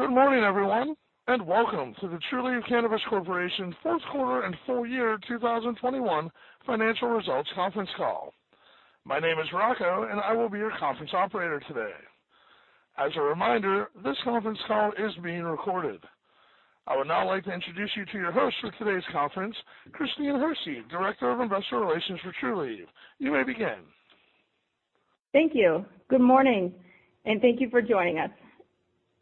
Good morning, everyone, and welcome to the Trulieve Cannabis Corp. fourth quarter and full year 2021 financial results conference call. My name is Rocco, and I will be your conference operator today. As a reminder, this conference call is being recorded. I would now like to introduce you to your host for today's conference, Christine Hersey, Director of Investor Relations for Trulieve. You may begin. Thank you. Good morning, and thank you for joining us.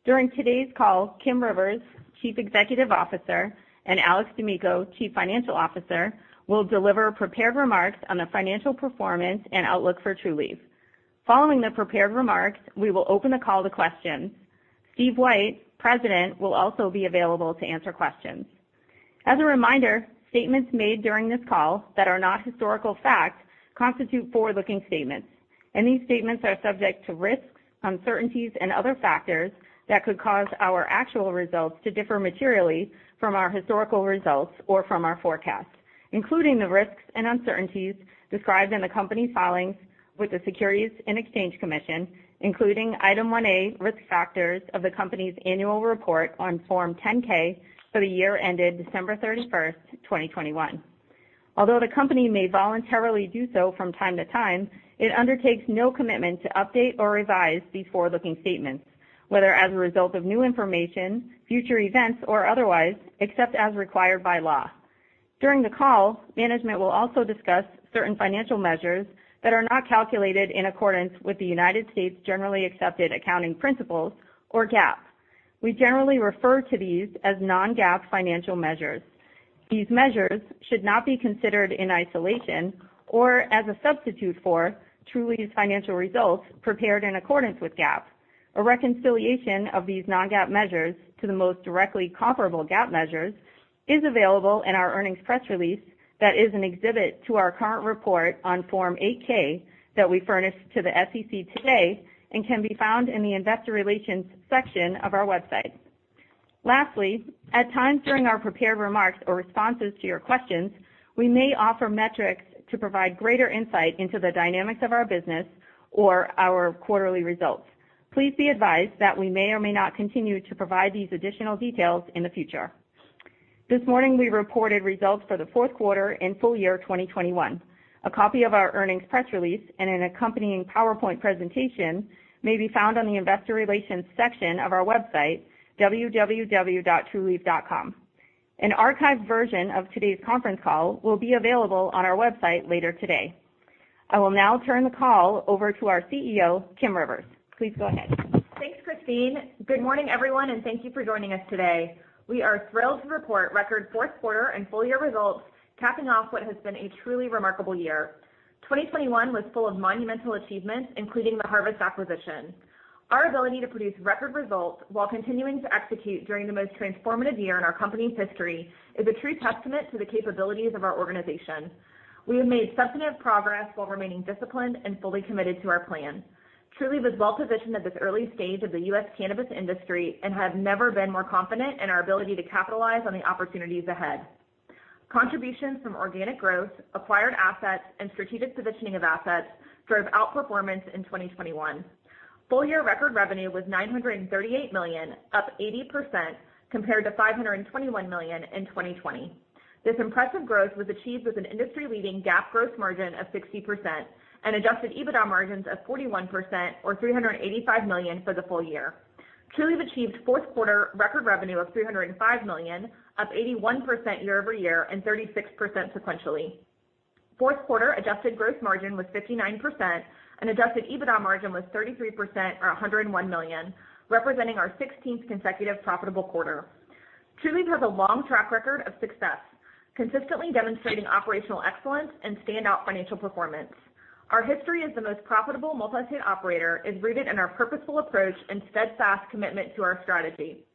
During today's call, Kim Rivers, Chief Executive Officer, and Alex D'Amico, Chief Financial Officer, will deliver prepared remarks on the financial performance and outlook for Trulieve. Following the prepared remarks, we will open the call to questions. Steve White, President, will also be available to answer questions. As a reminder, statements made during this call that are not historical facts constitute forward-looking statements, and these statements are subject to risks, uncertainties, and other factors that could cause our actual results to differ materially from our historical results or from our forecasts, including the risks and uncertainties described in the company's filings with the Securities and Exchange Commission, including Item 1A, Risk Factors, of the company's Annual Report on Form 10-K for the year ended December 31, 2021. Although the company may voluntarily do so from time to time, it undertakes no commitment to update or revise these forward-looking statements, whether as a result of new information, future events, or otherwise, except as required by law. During the call, management will also discuss certain financial measures that are not calculated in accordance with U.S. generally accepted accounting principles, or GAAP. We generally refer to these as non-GAAP financial measures. These measures should not be considered in isolation or as a substitute for Trulieve's financial results prepared in accordance with GAAP. A reconciliation of these non-GAAP measures to the most directly comparable GAAP measures is available in our earnings press release that is an exhibit to our current report on Form 8-K that we furnished to the SEC today and can be found in the investor relations section of our website. Lastly, at times during our prepared remarks or responses to your questions, we may offer metrics to provide greater insight into the dynamics of our business or our quarterly results. Please be advised that we may or may not continue to provide these additional details in the future. This morning, we reported results for the fourth quarter and full year 2021. A copy of our earnings press release and an accompanying PowerPoint presentation may be found on the investor relations section of our website, www.trulieve.com. An archived version of today's conference call will be available on our website later today. I will now turn the call over to our CEO, Kim Rivers. Please go ahead. Thanks, Christine. Good morning, everyone, and thank you for joining us today. We are thrilled to report record fourth quarter and full year results, capping off what has been a truly remarkable year. 2021 was full of monumental achievements, including the Harvest acquisition. Our ability to produce record results while continuing to execute during the most transformative year in our company's history is a true testament to the capabilities of our organization. We have made substantive progress while remaining disciplined and fully committed to our plan. Trulieve is well-positioned at this early stage of the U.S. cannabis industry and have never been more confident in our ability to capitalize on the opportunities ahead. Contributions from organic growth, acquired assets, and strategic positioning of assets drove outperformance in 2021. Full year record revenue was 938 million, up 80% compared to 521 million in 2020. This impressive growth was achieved with an industry-leading GAAP gross margin of 60% and adjusted EBITDA margins of 41% or 385 million for the full year. Trulieve achieved fourth quarter record revenue of 305 million, up 81% year-over-year and 36% sequentially. Fourth quarter adjusted gross margin was 59% and adjusted EBITDA margin was 33% or 101 million, representing our 16th consecutive profitable quarter. Trulieve has a long track record of success, consistently demonstrating operational excellence and standout financial performance. Our history as the most profitable multi-state operator is rooted in our purposeful approach and steadfast commitment to our strategy.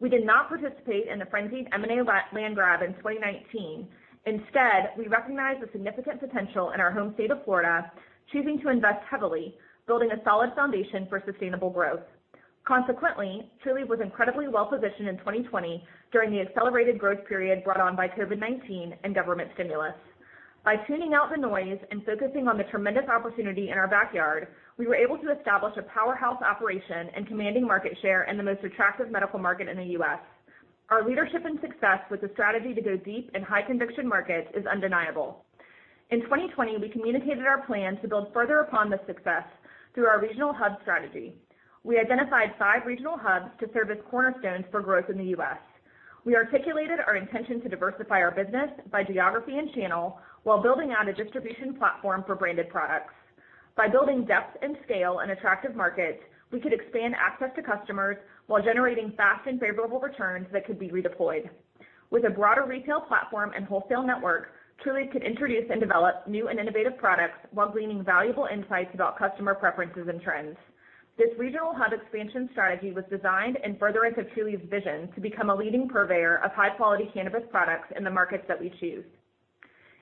We did not participate in the frenzied M and A la-la land grab in 2019. Instead, we recognized the significant potential in our home state of Florida, choosing to invest heavily, building a solid foundation for sustainable growth. Consequently, Trulieve was incredibly well-positioned in 2020 during the accelerated growth period brought on by COVID-19 and government stimulus. By tuning out the noise and focusing on the tremendous opportunity in our backyard, we were able to establish a powerhouse operation and commanding market share in the most attractive medical market in the U.S. Our leadership and success with the strategy to go deep in high-conviction markets is undeniable. In 2020, we communicated our plan to build further upon this success through our regional hub strategy. We identified five regional hubs to serve as cornerstones for growth in the U.S. We articulated our intention to diversify our business by geography and channel while building out a distribution platform for branded products. By building depth and scale in attractive markets, we could expand access to customers while generating fast and favorable returns that could be redeployed. With a broader retail platform and wholesale network, Trulieve could introduce and develop new and innovative products while gleaning valuable insights about customer preferences and trends. This regional hub expansion strategy was designed in furtherance of Trulieve's vision to become a leading purveyor of high-quality cannabis products in the markets that we choose.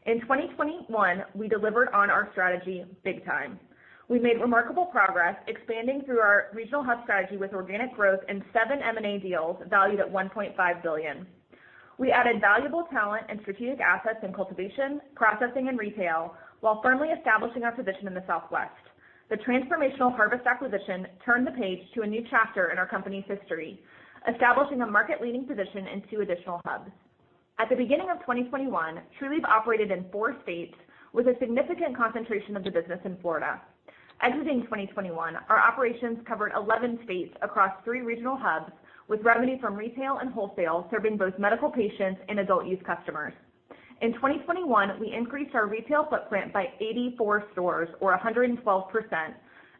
In 2021, we delivered on our strategy big time. We made remarkable progress expanding through our regional hub strategy with organic growth in seven M and A deals valued at 1.5 billion. We added valuable talent and strategic assets in cultivation, processing, and retail, while firmly establishing our position in the Southwest. The transformational Harvest acquisition turned the page to a new chapter in our company's history, establishing a market-leading position in two additional hubs. At the beginning of 2021, Trulieve operated in four states with a significant concentration of the business in Florida. Exiting 2021, our operations covered 11 states across three regional hubs, with revenue from retail and wholesale serving both medical patients and adult use customers. In 2021, we increased our retail footprint by 84 stores or 112%,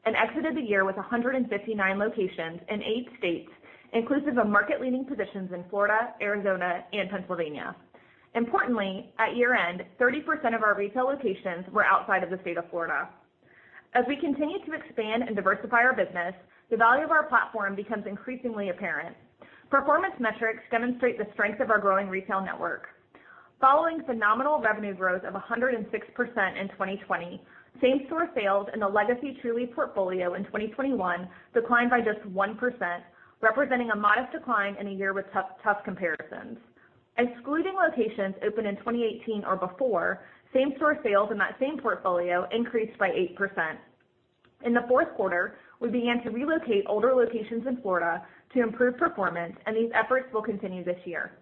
and exited the year with 159 locations in eight states, inclusive of market-leading positions in Florida, Arizona, and Pennsylvania. Importantly, at year-end, 30% of our retail locations were outside of the state of Florida. As we continue to expand and diversify our business, the value of our platform becomes increasingly apparent. Performance metrics demonstrate the strength of our growing retail network. Following phenomenal revenue growth of 106% in 2020, same-store sales in the legacy Trulieve portfolio in 2021 declined by just 1%, representing a modest decline in a year with tough comparisons. Excluding locations opened in 2018 or before, same-store sales in that same portfolio increased by 8%. In the fourth quarter, we began to relocate older locations in Florida to improve performance, and these efforts will continue this year.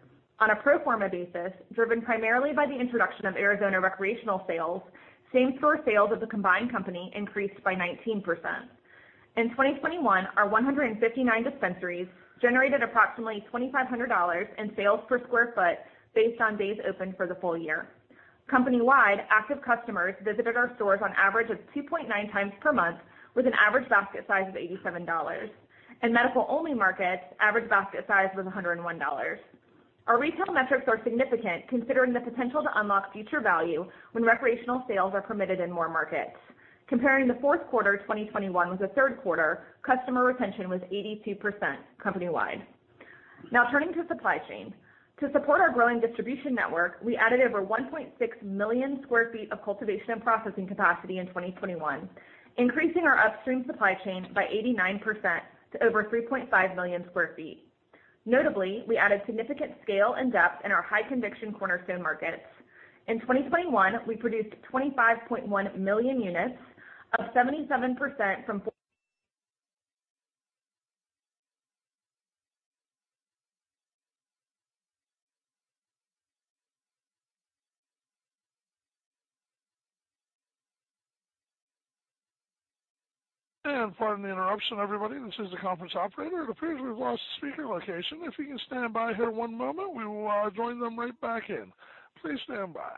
On a pro forma basis, driven primarily by the introduction of Arizona recreational sales, same-store sales of the combined company increased by 19%. In 2021, our 159 dispensaries generated approximately $2,500 in sales per sq ft based on days opened for the full year. Company-wide, active customers visited our stores on average of 2.9 times per month with an average basket size of $87. In medical-only markets, average basket size was $101. Our retail metrics are significant considering the potential to unlock future value when recreational sales are permitted in more markets. Comparing the fourth quarter 2021 with the third quarter, customer retention was 82% company-wide. Now turning to supply chain. To support our growing distribution network, we added over 1.6 million sq ft of cultivation and processing capacity in 2021, increasing our upstream supply chain by 89% to over 3.5 million sq ft. Notably, we added significant scale and depth in our high conviction cornerstone markets. In 2021, we produced 25.1 million units of 77% from- Pardon the interruption, everybody. This is the conference operator. It appears we've lost the speaker location. If you can stand by here one moment, we will join them right back in. Please stand by.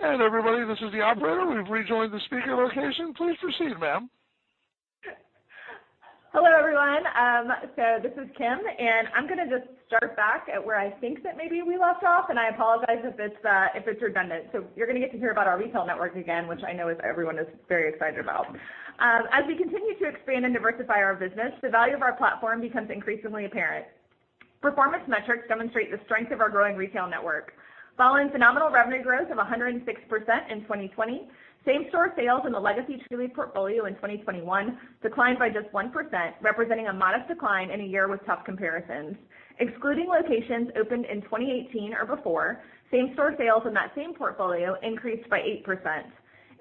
Everybody, this is the operator. We've rejoined the speaker location. Please proceed, ma'am. Hello, everyone. This is Kim, and I'm gonna just start back at where I think that maybe we left off, and I apologize if it's, if it's redundant. You're gonna get to hear about our retail network again, which I know everyone is very excited about. As we continue to expand and diversify our business, the value of our platform becomes increasingly apparent. Performance metrics demonstrate the strength of our growing retail network. Following phenomenal revenue growth of 106% in 2020, same-store sales in the legacy Trulieve portfolio in 2021 declined by just 1%, representing a modest decline in a year with tough comparisons. Excluding locations opened in 2018 or before, same-store sales in that same portfolio increased by 8%.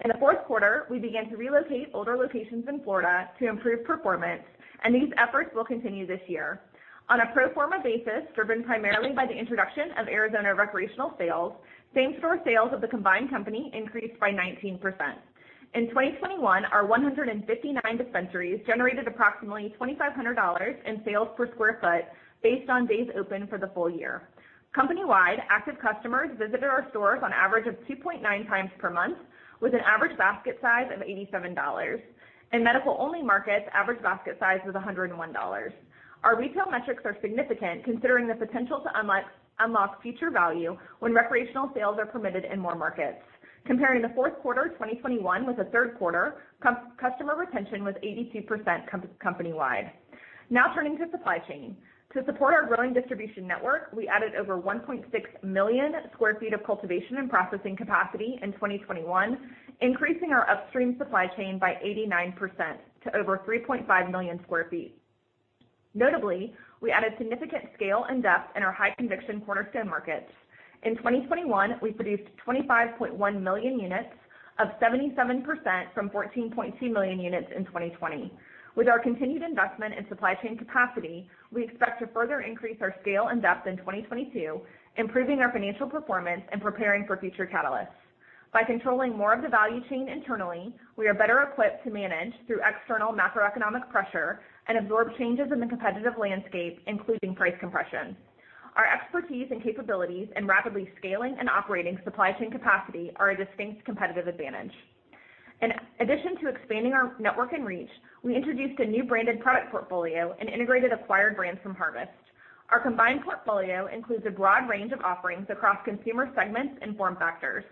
In the fourth quarter, we began to relocate older locations in Florida to improve performance, and these efforts will continue this year. On a pro forma basis, driven primarily by the introduction of Arizona recreational sales, same-store sales of the combined company increased by 19%. In 2021, our 159 dispensaries generated approximately $2,500 in sales per sq ft based on days opened for the full year. Company-wide, active customers visited our stores on average of 2.9 times per month with an average basket size of $87. In medical-only markets, average basket size was $101. Our retail metrics are significant considering the potential to unlock future value when recreational sales are permitted in more markets. Comparing the fourth quarter 2021 with the third quarter, customer retention was 82% company-wide. Now turning to supply chain. To support our growing distribution network, we added over 1.6 million sq ft of cultivation and processing capacity in 2021, increasing our upstream supply chain by 89% to over 3.5 million sq ft. Notably, we added significant scale and depth in our high conviction cornerstone markets. In 2021, we produced 25.1 million units of 77% from 14.2 million units in 2020. With our continued investment in supply chain capacity, we expect to further increase our scale and depth in 2022, improving our financial performance and preparing for future catalysts. By controlling more of the value chain internally, we are better equipped to manage through external macroeconomic pressure and absorb changes in the competitive landscape, including price compression. Our expertise and capabilities in rapidly scaling and operating supply chain capacity are a distinct competitive advantage. In addition to expanding our network and reach, we introduced a new branded product portfolio and integrated acquired brands from Harvest. Our combined portfolio includes a broad range of offerings across consumer segments and form factors.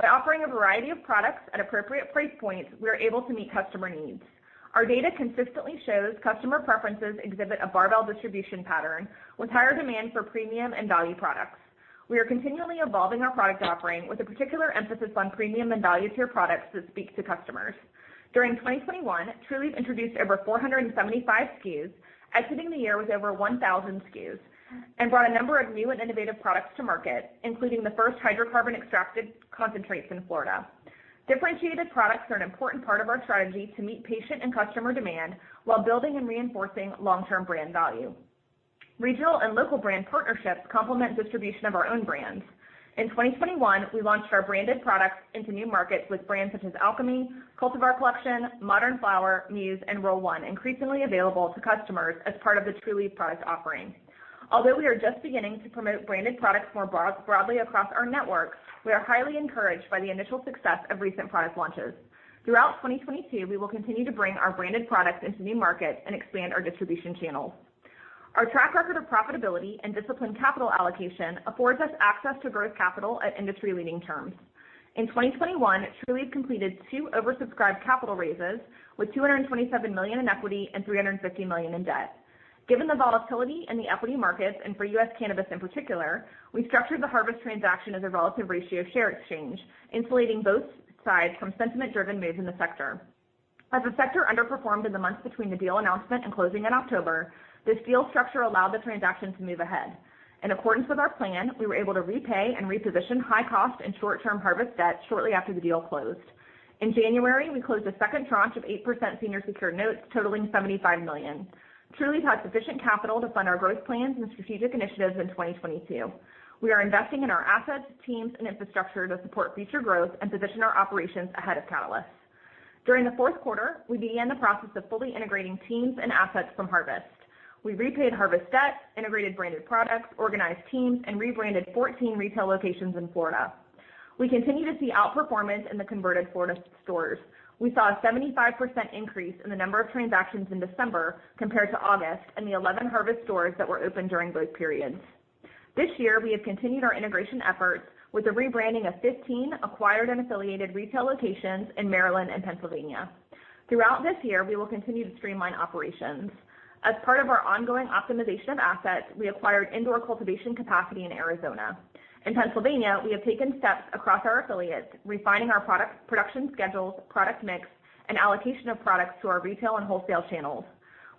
By offering a variety of products at appropriate price points, we are able to meet customer needs. Our data consistently shows customer preferences exhibit a barbell distribution pattern with higher demand for premium and value products. We are continually evolving our product offering with a particular emphasis on premium and value tier products that speak to customers. During 2021, Trulieve introduced over 475 SKUs, exiting the year with over 1,000 SKUs, and brought a number of new and innovative products to market, including the first hydrocarbon-extracted concentrates in Florida. Differentiated products are an important part of our strategy to meet patient and customer demand while building and reinforcing long-term brand value. Regional and local brand partnerships complement distribution of our own brands. In 2021, we launched our branded products into new markets with brands such as Alchemy, Cultivar Collection, Modern Flower, Muse, and Roll One increasingly available to customers as part of the Trulieve product offering. Although we are just beginning to promote branded products more broadly across our networks, we are highly encouraged by the initial success of recent product launches. Throughout 2022, we will continue to bring our branded products into new markets and expand our distribution channels. Our track record of profitability and disciplined capital allocation affords us access to growth capital at industry-leading terms. In 2021, Trulieve completed two oversubscribed capital raises with 227 million in equity and 350 million in debt. Given the volatility in the equity markets, and for U.S. cannabis in particular, we structured the Harvest transaction as a relative ratio share exchange, insulating both sides from sentiment-driven moves in the sector. As the sector underperformed in the months between the deal announcement and closing in October, this deal structure allowed the transaction to move ahead. In accordance with our plan, we were able to repay and reposition high cost and short-term Harvest debt shortly after the deal closed. In January, we closed a second tranche of 8% senior secured notes totaling $75 million. Trulieve has sufficient capital to fund our growth plans and strategic initiatives in 2022. We are investing in our assets, teams, and infrastructure to support future growth and position our operations ahead of catalysts. During the fourth quarter, we began the process of fully integrating teams and assets from Harvest. We repaid Harvest debt, integrated branded products, organized teams, and rebranded 14 retail locations in Florida. We continue to see outperformance in the converted Florida stores. We saw a 75% increase in the number of transactions in December compared to August in the 11 Harvest stores that were open during both periods. This year, we have continued our integration efforts with the rebranding of 15 acquired and affiliated retail locations in Maryland and Pennsylvania. Throughout this year, we will continue to streamline operations. As part of our ongoing optimization of assets, we acquired indoor cultivation capacity in Arizona. In Pennsylvania, we have taken steps across our affiliates, refining our product production schedules, product mix, and allocation of products to our retail and wholesale channels.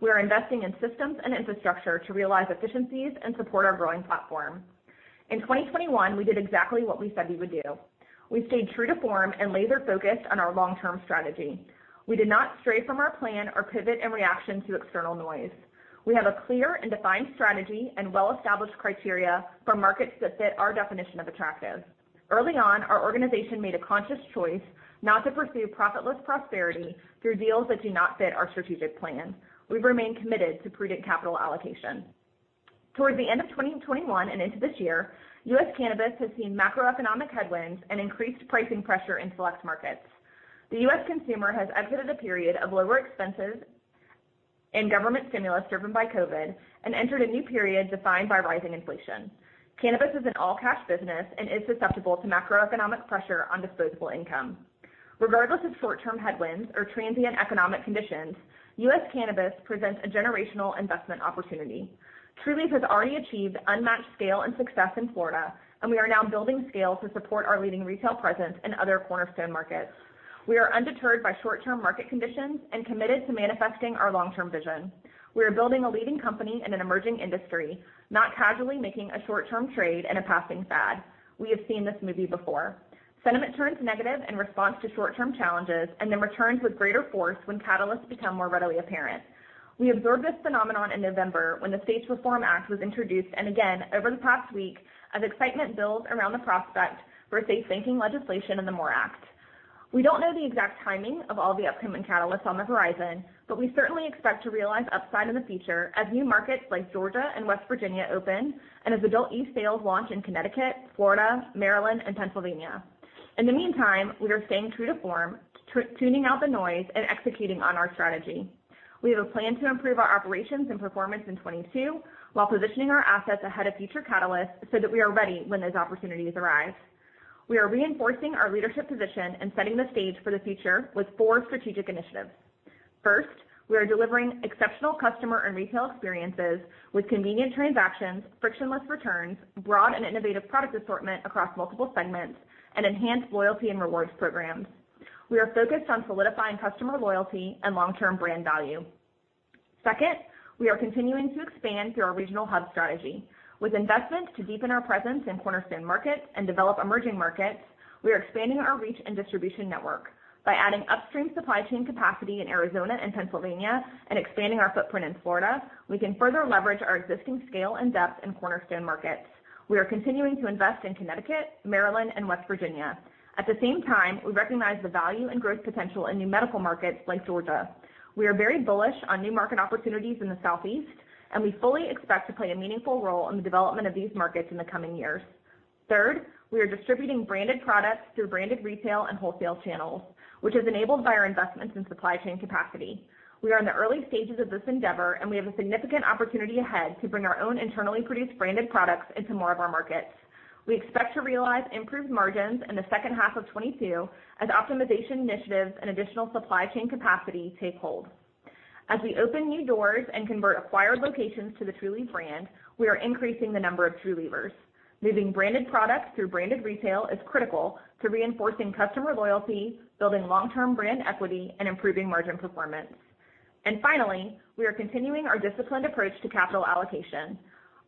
We are investing in systems and infrastructure to realize efficiencies and support our growing platform. In 2021, we did exactly what we said we would do. We stayed true to form and laser-focused on our long-term strategy. We did not stray from our plan or pivot in reaction to external noise. We have a clear and defined strategy and well-established criteria for markets that fit our definition of attractive. Early on, our organization made a conscious choice not to pursue profitless prosperity through deals that do not fit our strategic plan. We've remained committed to prudent capital allocation. Towards the end of 2021 and into this year, U.S. cannabis has seen macroeconomic headwinds and increased pricing pressure in select markets. The U.S. consumer has exited a period of lower expenses and government stimulus driven by COVID and entered a new period defined by rising inflation. Cannabis is an all-cash business and is susceptible to macroeconomic pressure on disposable income. Regardless of short-term headwinds or transient economic conditions, U.S. cannabis presents a generational investment opportunity. Trulieve has already achieved unmatched scale and success in Florida, and we are now building scale to support our leading retail presence in other cornerstone markets. We are undeterred by short-term market conditions and committed to manifesting our long-term vision. We are building a leading company in an emerging industry, not casually making a short-term trade and a passing fad. We have seen this movie before. Sentiment turns negative in response to short-term challenges and then returns with greater force when catalysts become more readily apparent. We observed this phenomenon in November when the States Reform Act was introduced, and again over the past week as excitement builds around the prospect for safe banking legislation in the MORE Act. We don't know the exact timing of all the upcoming catalysts on the horizon, but we certainly expect to realize upside in the future as new markets like Georgia and West Virginia open, and as adult-use sales launch in Connecticut, Florida, Maryland, and Pennsylvania. In the meantime, we are staying true to form, tuning out the noise, and executing on our strategy. We have a plan to improve our operations and performance in 2022 while positioning our assets ahead of future catalysts so that we are ready when those opportunities arise. We are reinforcing our leadership position and setting the stage for the future with four strategic initiatives. First, we are delivering exceptional customer and retail experiences with convenient transactions, frictionless returns, broad and innovative product assortment across multiple segments, and enhanced loyalty and rewards programs. We are focused on solidifying customer loyalty and long-term brand value. Second, we are continuing to expand through our regional hub strategy. With investment to deepen our presence in cornerstone markets and develop emerging markets, we are expanding our reach and distribution network. By adding upstream supply chain capacity in Arizona and Pennsylvania and expanding our footprint in Florida, we can further leverage our existing scale and depth in cornerstone markets. We are continuing to invest in Connecticut, Maryland, and West Virginia. At the same time, we recognize the value and growth potential in new medical markets like Georgia. We are very bullish on new market opportunities in the Southeast, and we fully expect to play a meaningful role in the development of these markets in the coming years. Third, we are distributing branded products through branded retail and wholesale channels, which is enabled by our investments in supply chain capacity. We are in the early stages of this endeavor, and we have a significant opportunity ahead to bring our own internally produced branded products into more of our markets. We expect to realize improved margins in the second half of 2022 as optimization initiatives and additional supply chain capacity take hold. As we open new doors and convert acquired locations to the Trulieve brand, we are increasing the number of Trulievers. Moving branded products through branded retail is critical to reinforcing customer loyalty, building long-term brand equity, and improving margin performance. Finally, we are continuing our disciplined approach to capital allocation.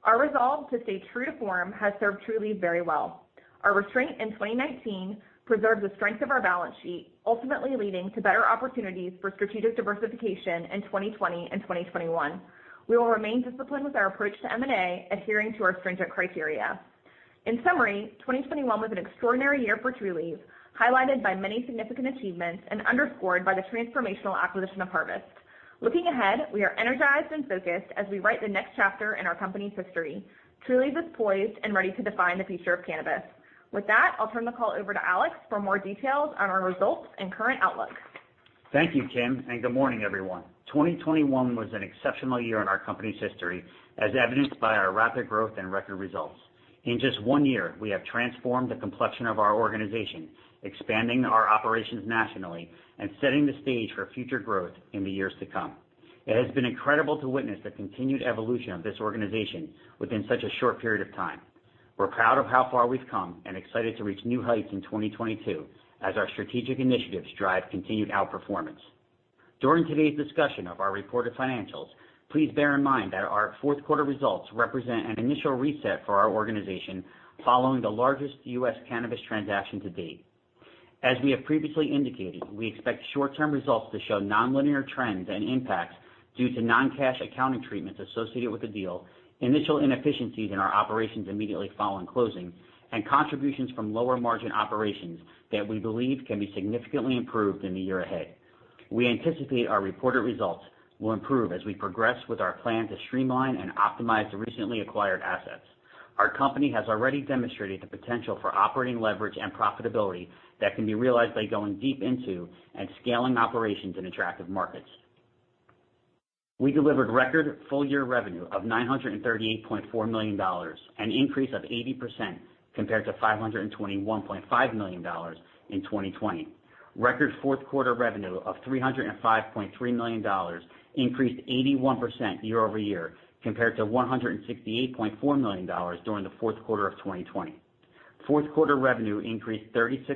Our resolve to stay true to form has served Trulieve very well. Our restraint in 2019 preserved the strength of our balance sheet, ultimately leading to better opportunities for strategic diversification in 2020 and 2021. We will remain disciplined with our approach to M and A, adhering to our stringent criteria. In summary, 2021 was an extraordinary year for Trulieve, highlighted by many significant achievements and underscored by the transformational acquisition of Harvest. Looking ahead, we are energized and focused as we write the next chapter in our company's history. Trulieve is poised and ready to define the future of cannabis. With that, I'll turn the call over to Alex for more details on our results and current outlook. Thank you, Kim, and good morning, everyone. 2021 was an exceptional year in our company's history, as evidenced by our rapid growth and record results. In just one year, we have transformed the complexion of our organization, expanding our operations nationally and setting the stage for future growth in the years to come. It has been incredible to witness the continued evolution of this organization within such a short period of time. We're proud of how far we've come and excited to reach new heights in 2022 as our strategic initiatives drive continued outperformance. During today's discussion of our reported financials, please bear in mind that our fourth quarter results represent an initial reset for our organization following the largest U.S. cannabis transaction to date. As we have previously indicated, we expect short-term results to show nonlinear trends and impacts due to non-cash accounting treatments associated with the deal, initial inefficiencies in our operations immediately following closing, and contributions from lower-margin operations that we believe can be significantly improved in the year ahead. We anticipate our reported results will improve as we progress with our plan to streamline and optimize the recently acquired assets. Our company has already demonstrated the potential for operating leverage and profitability that can be realized by going deep into and scaling operations in attractive markets. We delivered record full-year revenue of $938.4 million, an increase of 80% compared to $521.5 million in 2020. Record fourth quarter revenue of $305.3 million increased 81% year-over-year compared to $168.4 million during the fourth quarter of 2020. Fourth quarter revenue increased 36%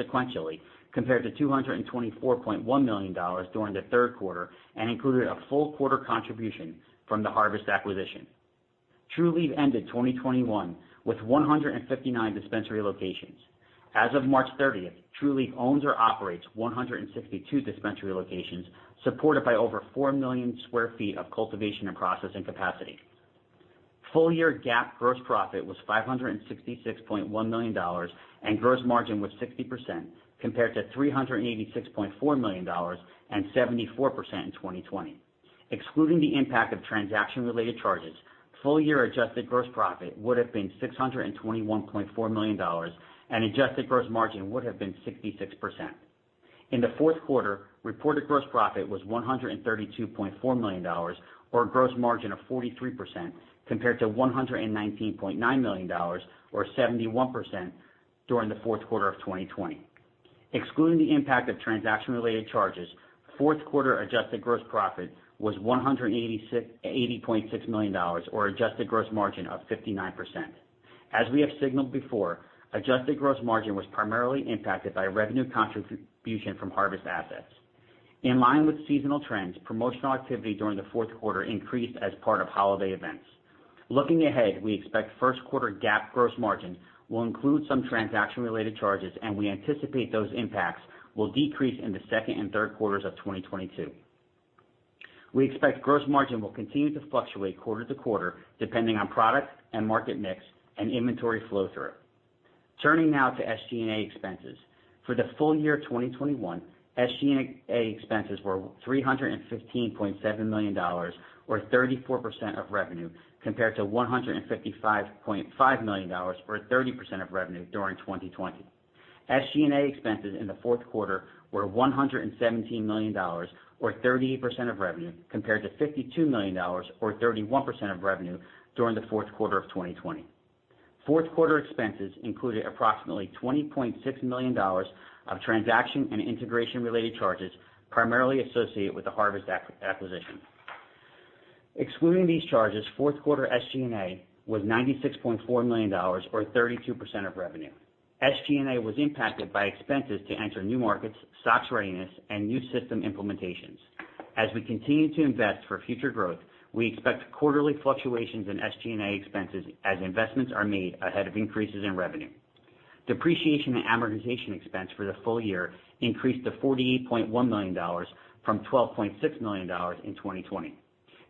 sequentially compared to $224.1 million during the third quarter and included a full quarter contribution from the Harvest acquisition. Trulieve ended 2021 with 159 dispensary locations. As of March 30, Trulieve owns or operates 162 dispensary locations, supported by over 4 million sq ft of cultivation and processing capacity. Full-year GAAP gross profit was $566.1 million, and gross margin was 60%, compared to $386.4 million and 74% in 2020. Excluding the impact of transaction-related charges, full-year adjusted gross profit would have been $621.4 million, and adjusted gross margin would have been 66%. In the fourth quarter, reported gross profit was $132.4 million or a gross margin of 43% compared to $119.9 million or 71% during the fourth quarter of 2020. Excluding the impact of transaction-related charges, fourth quarter adjusted gross profit was $180.6 million or adjusted gross margin of 59%. As we have signaled before, adjusted gross margin was primarily impacted by revenue contribution from Harvest assets. In line with seasonal trends, promotional activity during the fourth quarter increased as part of holiday events. Looking ahead, we expect first quarter GAAP gross margin will include some transaction-related charges, and we anticipate those impacts will decrease in the second and third quarters of 2022. We expect gross margin will continue to fluctuate quarter to quarter, depending on product and market mix and inventory flow-through. Turning now to SG&A expenses. For the full year 2021, SG&A expenses were $315.7 million or 34% of revenue compared to $155.5 million or 30% of revenue during 2020. SG&A expenses in the fourth quarter were $117 million or 30% of revenue compared to $52 million or 31% of revenue during the fourth quarter of 2020. Fourth quarter expenses included approximately $20.6 million of transaction and integration-related charges, primarily associated with the Harvest acquisition. Excluding these charges, fourth quarter SG&A was $96.4 million or 32% of revenue. SG&A was impacted by expenses to enter new markets, store readiness, and new system implementations. As we continue to invest for future growth, we expect quarterly fluctuations in SG&A expenses as investments are made ahead of increases in revenue. Depreciation and amortization expense for the full year increased to $48.1 million from $12.6 million in 2020.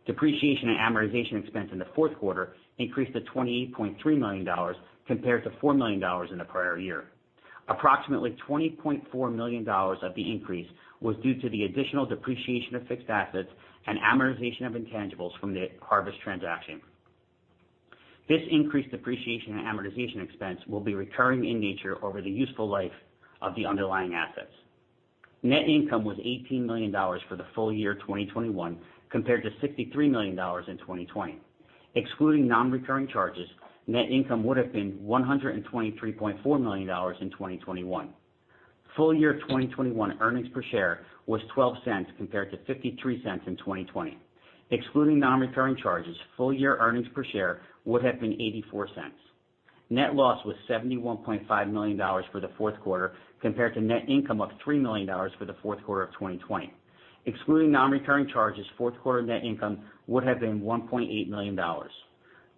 Depreciation and amortization expense in the fourth quarter increased to $28.3 million compared to $4 million in the prior year. Approximately $20.4 million of the increase was due to the additional depreciation of fixed assets and amortization of intangibles from the Harvest transaction. This increased depreciation and amortization expense will be recurring in nature over the useful life of the underlying assets. Net income was $18 million for the full year 2021, compared to $63 million in 2020. Excluding non-recurring charges, net income would have been $123.4 million in 2021. Full year 2021 earnings per share was $0.12 compared to $0.53 in 2020. Excluding non-recurring charges, full year earnings per share would have been $0.84. Net loss was $71.5 million for the fourth quarter compared to net income of $3 million for the fourth quarter of 2020. Excluding non-recurring charges, fourth quarter net income would have been $1.8 million.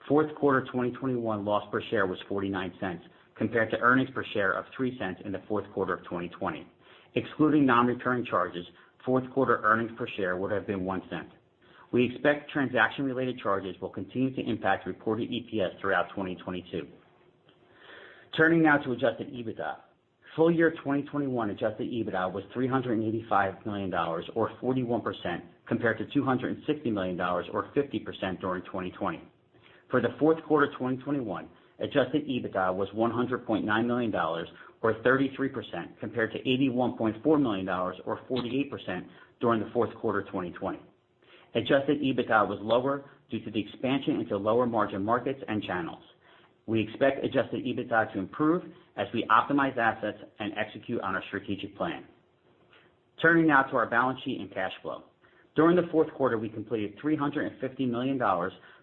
Fourth quarter 2021 loss per share was 0.49 compared to earnings per share of 0.03 in the fourth quarter of 2020. Excluding non-recurring charges, fourth quarter earnings per share would have been 0.01. We expect transaction-related charges will continue to impact reported EPS throughout 2022. Turning now to adjusted EBITDA. Full year 2021 adjusted EBITDA was $385 million, or 41% compared to $260 million or 50% during 2020. For the fourth quarter 2021, adjusted EBITDA was $100.9 million or 33% compared to $81.4 million or 48% during the fourth quarter of 2020. Adjusted EBITDA was lower due to the expansion into lower-margin markets and channels. We expect adjusted EBITDA to improve as we optimize assets and execute on our strategic plan. Turning now to our balance sheet and cash flow. During the fourth quarter, we completed $350 million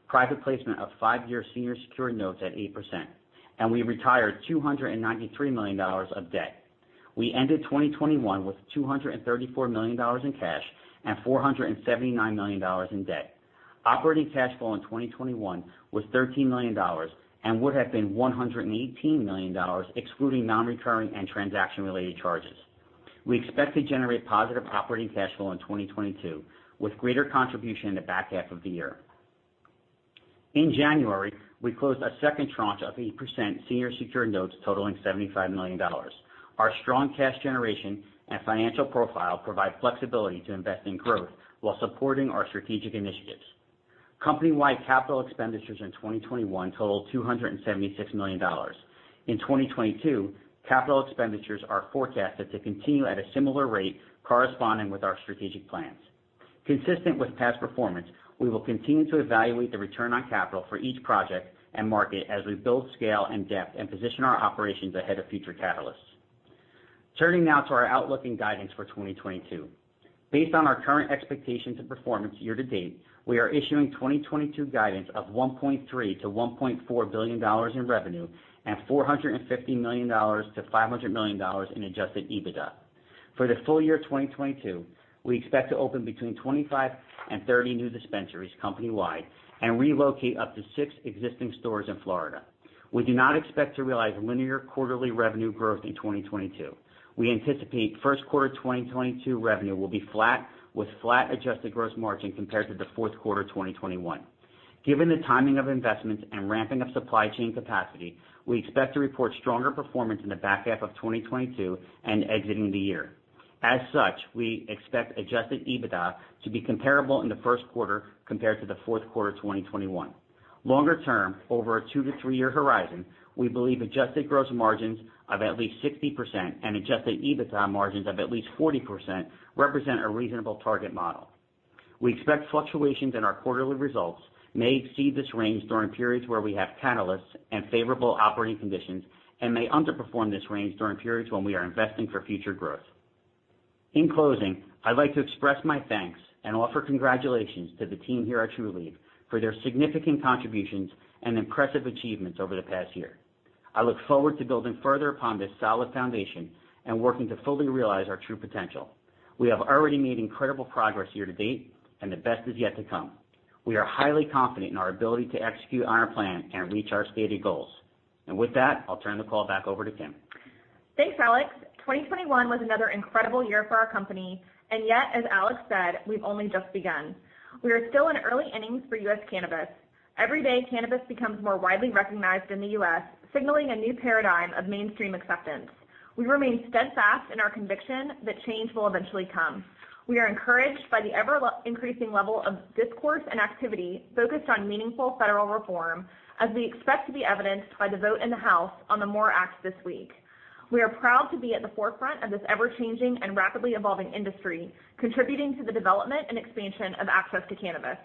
private placement of five-year senior secured notes at 8%, and we retired $293 million of debt. We ended 2021 with $234 million in cash and $479 million in debt. Operating cash flow in 2021 was $13 million and would have been $118 million excluding non-recurring and transaction-related charges. We expect to generate positive operating cash flow in 2022, with greater contribution in the back half of the year. In January, we closed a second tranche of 8% senior secured notes totaling $75 million. Our strong cash generation and financial profile provide flexibility to invest in growth while supporting our strategic initiatives. Company-wide capital expenditures in 2021 totaled $276 million. In 2022, capital expenditures are forecasted to continue at a similar rate corresponding with our strategic plans. Consistent with past performance, we will continue to evaluate the return on capital for each project and market as we build scale and depth and position our operations ahead of future catalysts. Turning now to our outlook and guidance for 2022. Based on our current expectations and performance year to date, we are issuing 2022 guidance of $1.3 billion-$1.4 billion in revenue and $450 million-$500 million in adjusted EBITDA. For the full year 2022, we expect to open between 25 and 30 new dispensaries company-wide and relocate up to six existing stores in Florida. We do not expect to realize linear quarterly revenue growth in 2022. We anticipate first quarter 2022 revenue will be flat, with flat adjusted gross margin compared to the fourth quarter of 2021. Given the timing of investments and ramping up supply chain capacity, we expect to report stronger performance in the back half of 2022 and exiting the year. As such, we expect adjusted EBITDA to be comparable in the first quarter compared to the fourth quarter of 2021. Longer term, over a two-three-year horizon, we believe adjusted gross margins of at least 60% and adjusted EBITDA margins of at least 40% represent a reasonable target model. We expect fluctuations in our quarterly results may exceed this range during periods where we have catalysts and favorable operating conditions and may underperform this range during periods when we are investing for future growth. In closing, I'd like to express my thanks and offer congratulations to the team here at Trulieve for their significant contributions and impressive achievements over the past year. I look forward to building further upon this solid foundation and working to fully realize our true potential. We have already made incredible progress year to date, and the best is yet to come. We are highly confident in our ability to execute on our plan and reach our stated goals. With that, I'll turn the call back over to Kim. Thanks, Alex. 2021 was another incredible year for our company, and yet, as Alex said, we've only just begun. We are still in early innings for U.S. cannabis. Every day, cannabis becomes more widely recognized in the U.S., signaling a new paradigm of mainstream acceptance. We remain steadfast in our conviction that change will eventually come. We are encouraged by the ever increasing level of discourse and activity focused on meaningful federal reform, as we expect to be evidenced by the vote in the House on the MORE Act this week. We are proud to be at the forefront of this ever-changing and rapidly evolving industry, contributing to the development and expansion of access to cannabis.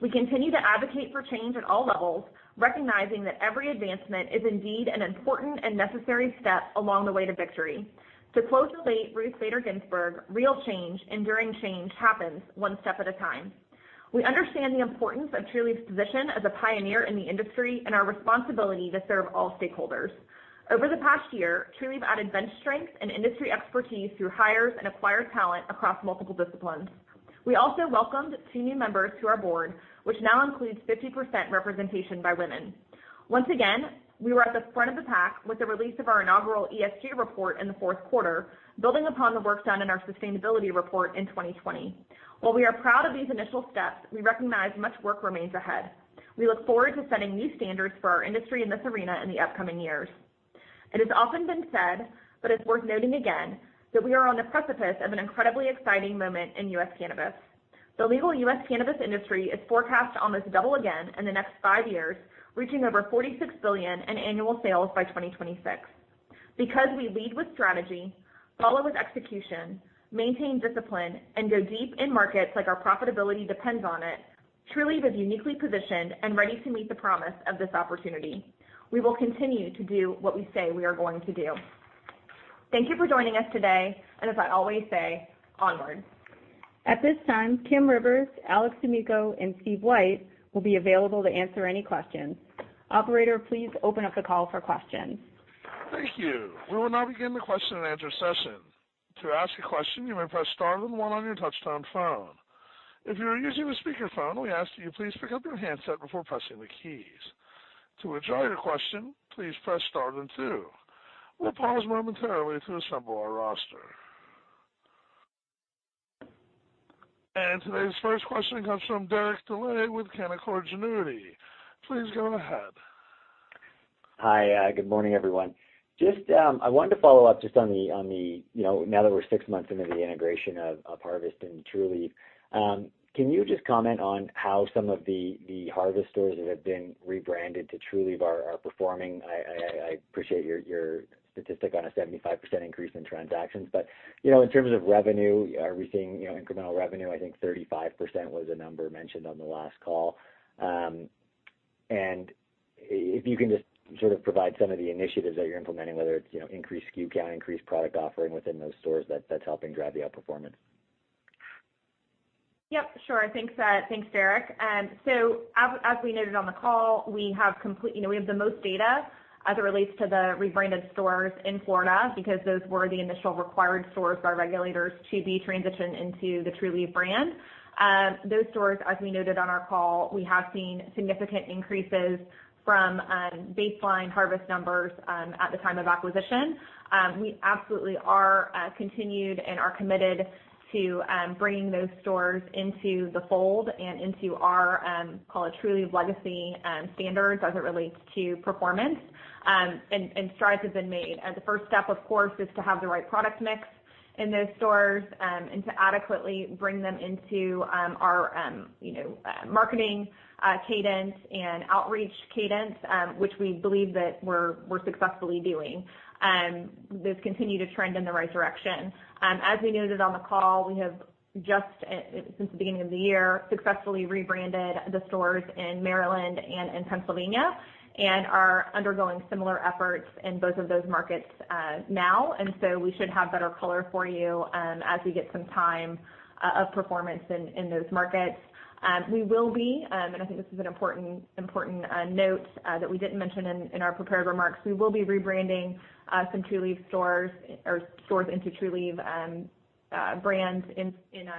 We continue to advocate for change at all levels, recognizing that every advancement is indeed an important and necessary step along the way to victory. To quote the late Ruth Bader Ginsburg, "Real change, enduring change, happens one step at a time." We understand the importance of Trulieve's position as a pioneer in the industry and our responsibility to serve all stakeholders. Over the past year, Trulieve added bench strength and industry expertise through hires and acquired talent across multiple disciplines. We also welcomed two new members to our board, which now includes 50% representation by women. Once again, we were at the front of the pack with the release of our inaugural ESG report in the fourth quarter, building upon the work done in our sustainability report in 2020. While we are proud of these initial steps, we recognize much work remains ahead. We look forward to setting new standards for our industry in this arena in the upcoming years. It has often been said, but it's worth noting again, that we are on the precipice of an incredibly exciting moment in U.S. cannabis. The legal U.S. cannabis industry is forecast to almost double again in the next five years, reaching over 46 billion in annual sales by 2026. Because we lead with strategy, follow with execution, maintain discipline, and go deep in markets like our profitability depends on it, Trulieve is uniquely positioned and ready to meet the promise of this opportunity. We will continue to do what we say we are going to do. Thank you for joining us today, and as I always say, onward. At this time, Kim Rivers, Alex D'Amico, and Steve White will be available to answer any questions. Operator, please open up the call for questions. Thank you. We will now begin the question-and-answer session. To ask a question, you may press star then one on your touchtone phone. If you are using a speakerphone, we ask that you please pick up your handset before pressing the keys. To withdraw your question, please press star then two. We'll pause momentarily to assemble our roster. Today's first question comes from Derek Dley with Canaccord Genuity. Please go ahead. Hi, good morning, everyone. Just, I wanted to follow up just on the, you know, now that we're six months into the integration of Harvest and Trulieve, can you just comment on how some of the Harvest stores that have been rebranded to Trulieve are performing? I appreciate your statistic on a 75% increase in transactions. You know, in terms of revenue, are we seeing, you know, incremental revenue? I think 35% was the number mentioned on the last call. If you can just sort of provide some of the initiatives that you're implementing, whether it's, you know, increased SKU count, increased product offering within those stores that's helping drive the outperformance. Yep, sure. Thanks, Derek. As we noted on the call, you know, we have the most data as it relates to the rebranded stores in Florida because those were the initial required stores by regulators to be transitioned into the Trulieve brand. Those stores, as we noted on our call, we have seen significant increases from baseline Harvest numbers at the time of acquisition. We absolutely are continued and are committed to bringing those stores into the fold and into our call it Trulieve legacy standards as it relates to performance. Strides have been made. The first step, of course, is to have the right product mix in those stores, and to adequately bring them into our, you know, marketing cadence and outreach cadence, which we believe that we're successfully doing. This continued a trend in the right direction. As we noted on the call, we have just since the beginning of the year successfully rebranded the stores in Maryland and in Pennsylvania and are undergoing similar efforts in both of those markets, now. We should have better color for you, as we get some time of performance in those markets. We will be and I think this is an important note that we didn't mention in our prepared remarks. We will be rebranding some Harvest stores into Trulieve brands in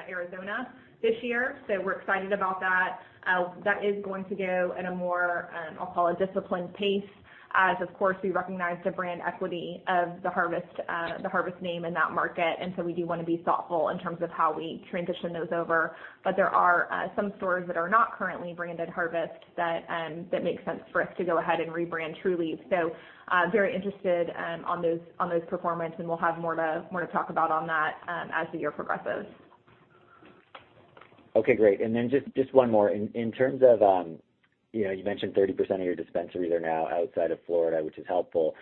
Arizona this year. We're excited about that. That is going to go at a more disciplined pace. I'll call a disciplined pace as, of course, we recognize the brand equity of the Harvest name in that market, and so we do wanna be thoughtful in terms of how we transition those over. There are some stores that are not currently branded Harvest that make sense for us to go ahead and rebrand Trulieve. Very interested in those performance, and we'll have more to talk about on that as the year progresses. Okay, great. Then just one more. In terms of, you know, you mentioned 30% of your dispensaries are now outside of Florida, which is helpful.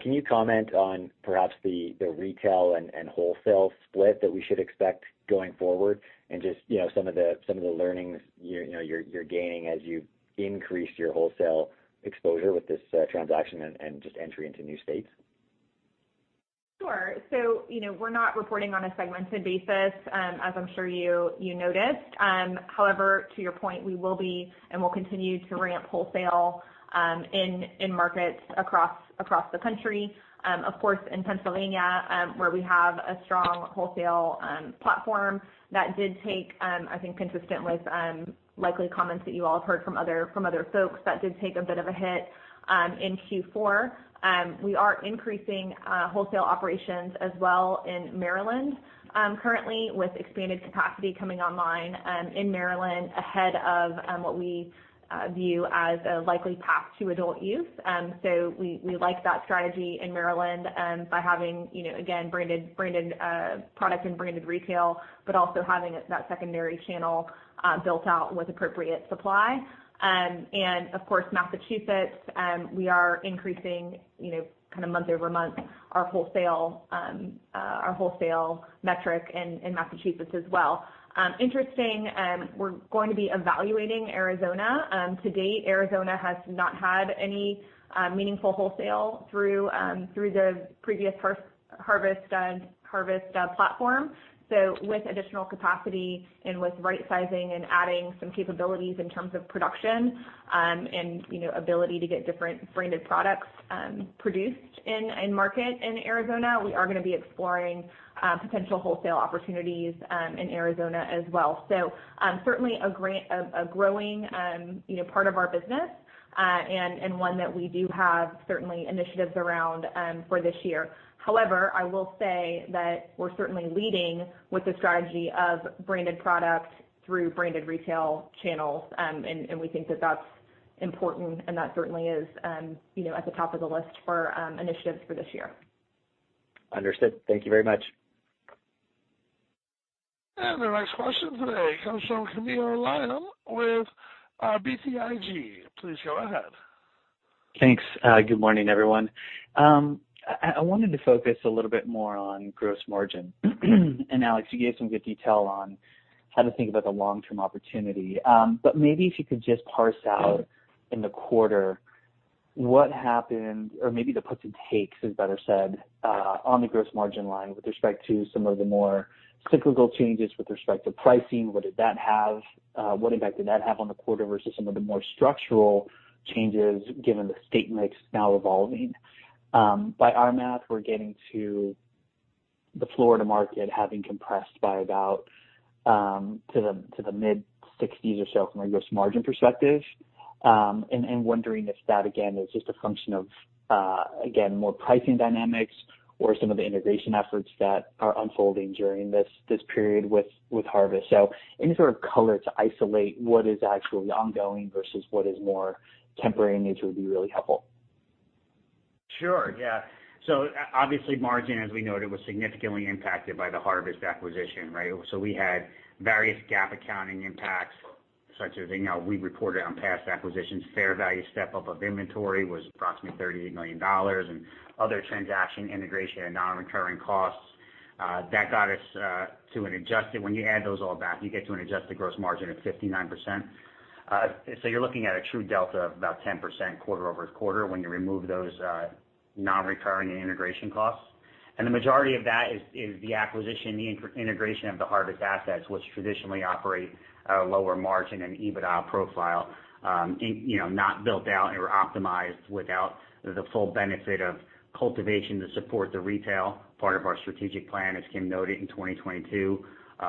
Can you comment on perhaps the retail and wholesale split that we should expect going forward and just, you know, some of the learnings you're gaining as you increase your wholesale exposure with this transaction and just entry into new states? Sure. You know, we're not reporting on a segmented basis, as I'm sure you noticed. However, to your point, we will be and will continue to ramp wholesale in markets across the country. Of course, in Pennsylvania, where we have a strong wholesale platform, that, I think consistent with likely comments that you all have heard from other folks, did take a bit of a hit in Q4. We are increasing wholesale operations as well in Maryland, currently with expanded capacity coming online in Maryland ahead of what we view as a likely path to adult use. We like that strategy in Maryland by having, you know, again, branded product and branded retail, but also having that secondary channel built out with appropriate supply. Of course, in Massachusetts we are increasing, you know, kind of month-over-month our wholesale metric in Massachusetts as well. Interesting, we're going to be evaluating Arizona. To date, Arizona has not had any meaningful wholesale through the previous Harvest platform. With additional capacity and with right sizing and adding some capabilities in terms of production, and, you know, ability to get different branded products produced in market in Arizona, we are gonna be exploring potential wholesale opportunities in Arizona as well. Certainly a growing, you know, part of our business, and one that we do have certain initiatives around, for this year. However, I will say that we're certainly leading with the strategy of branded product through branded retail channels. We think that that's important, and that certainly is, you know, at the top of the list for initiatives for this year. Understood. Thank you very much. The next question today comes from Camilo Lyon with BTIG. Please go ahead. Thanks. Good morning, everyone. I wanted to focus a little bit more on gross margin. Alex, you gave some good detail on how to think about the long-term opportunity. But maybe if you could just parse out in the quarter what happened, or maybe the puts and takes is better said on the gross margin line with respect to some of the more cyclical changes with respect to pricing, what impact did that have on the quarter versus some of the more structural changes given the state mix now evolving? By our math, we're getting to the Florida market having compressed by about to the mid-60s% or so from a gross margin perspective. Wondering if that again is just a function of, again, more pricing dynamics or some of the integration efforts that are unfolding during this period with Harvest. Any sort of color to isolate what is actually ongoing versus what is more temporary nature would be really helpful. Sure. Yeah. Obviously, margin, as we noted, was significantly impacted by the Harvest acquisition, right? We had various GAAP accounting impacts, such as, you know, we reported on past acquisitions, fair value step-up of inventory was approximately $38 million, and other transaction integration and non-recurring costs that got us to an adjusted gross margin. When you add those all back, you get to an adjusted gross margin of 59%. You're looking at a true delta of about 10% quarter-over-quarter when you remove those non-recurring and integration costs. The majority of that is the acquisition, the integration of the Harvest assets, which traditionally operate a lower margin and EBITDA profile, and, you know, not built out or optimized without the full benefit of cultivation to support the retail part of our strategic plan, as Kim noted in 2022,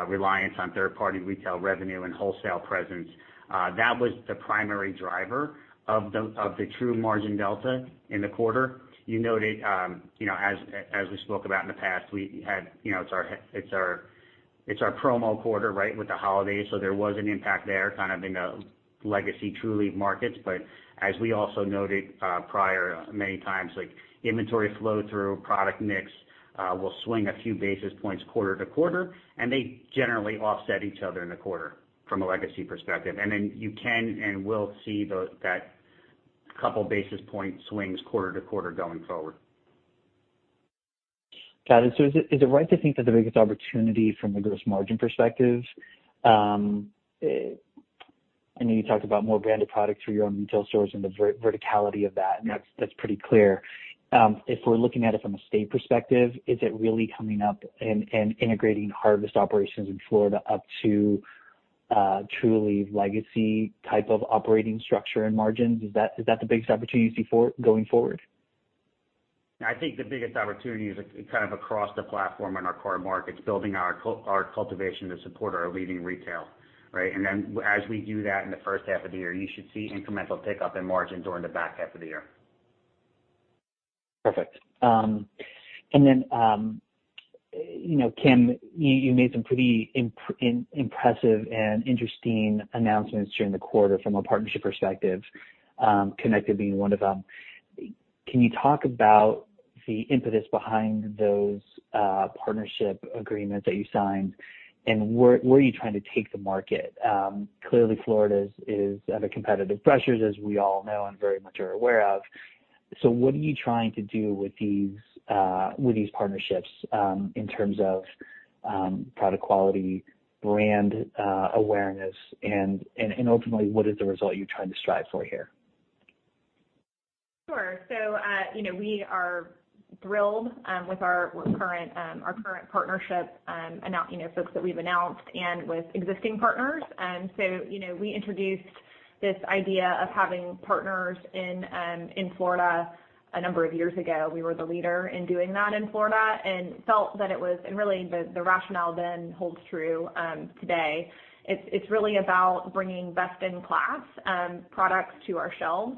reliance on third-party retail revenue and wholesale presence. That was the primary driver of the gross margin delta in the quarter. You noted, you know, as we spoke about in the past, we had, you know, it's our promo quarter, right, with the holidays. There was an impact there kind of in the legacy Trulieve markets. As we also noted, prior many times, like, inventory flow through product mix, will swing a few basis points quarter to quarter, and they generally offset each other in the quarter from a legacy perspective. Then you can and will see that couple basis points swings quarter to quarter going forward. Got it. Is it right to think that the biggest opportunity from the gross margin perspective? I know you talked about more branded products for your own retail stores and the verticality of that, and that's pretty clear. If we're looking at it from a state perspective, is it really coming up and integrating Harvest operations in Florida up to a Trulieve legacy type of operating structure and margins? Is that the biggest opportunity you see for going forward? I think the biggest opportunity is kind of across the platform in our core markets, building our cultivation to support our leading retail, right? Then as we do that in the first half of the year, you should see incremental pickup in margins during the back half of the year. Perfect. You know, Kim, you made some pretty impressive and interesting announcements during the quarter from a partnership perspective, Connected being one of them. Can you talk about the impetus behind those partnership agreements that you signed, and where are you trying to take the market? Clearly, Florida is under competitive pressures, as we all know and very much are aware of. What are you trying to do with these partnerships in terms of product quality, brand awareness, and ultimately, what is the result you're trying to strive for here? Sure. You know, we are thrilled with our current partnership, you know, folks that we've announced and with existing partners. You know, we introduced this idea of having partners in Florida a number of years ago. We were the leader in doing that in Florida and felt that it was, and really the rationale then holds true today. It's really about bringing best-in-class products to our shelves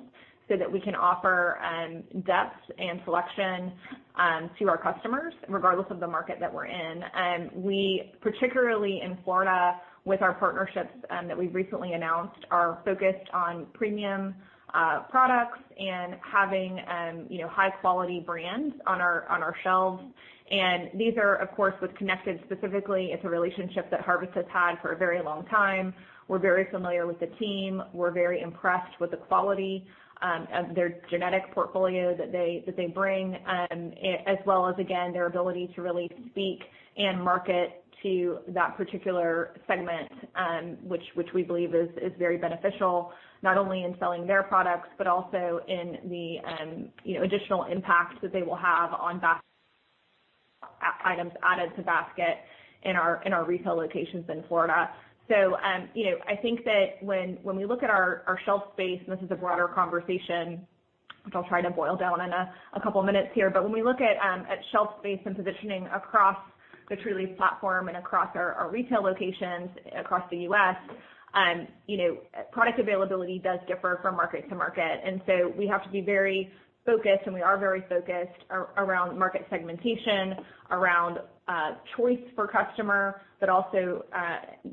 so that we can offer depth and selection to our customers regardless of the market that we're in. We, particularly in Florida with our partnerships that we've recently announced, are focused on premium products and having, you know, high quality brands on our shelves. These are, of course, with Connected specifically, it's a relationship that Harvest has had for a very long time. We're very familiar with the team. We're very impressed with the quality of their genetic portfolio that they bring, as well as, again, their ability to really speak and market to that particular segment, which we believe is very beneficial, not only in selling their products, but also in the, you know, additional impact that they will have on items added to basket in our retail locations in Florida. You know, I think that when we look at our shelf space, and this is a broader conversation, which I'll try to boil down in a couple of minutes here. When we look at shelf space and positioning across the Trulieve platform and across our retail locations across the U.S., you know, product availability does differ from market to market. We have to be very focused, and we are very focused around market segmentation, around choice for customer, but also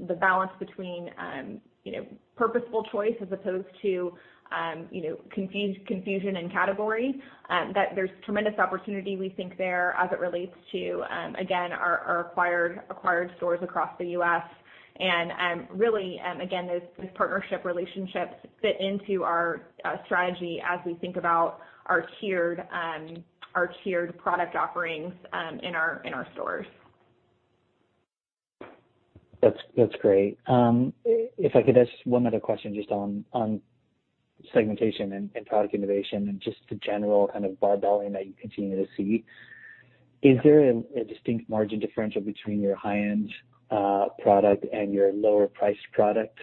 the balance between, you know, purposeful choice as opposed to, you know, confusion and category. That there's tremendous opportunity we think there as it relates to, again, our acquired stores across the U.S. Really, again, those partnership relationships fit into our strategy as we think about our tiered product offerings in our stores. That's great. If I could ask one other question just on segmentation and product innovation and just the general kind of barbelling that you continue to see. Is there a distinct margin differential between your high-end product and your lower priced product?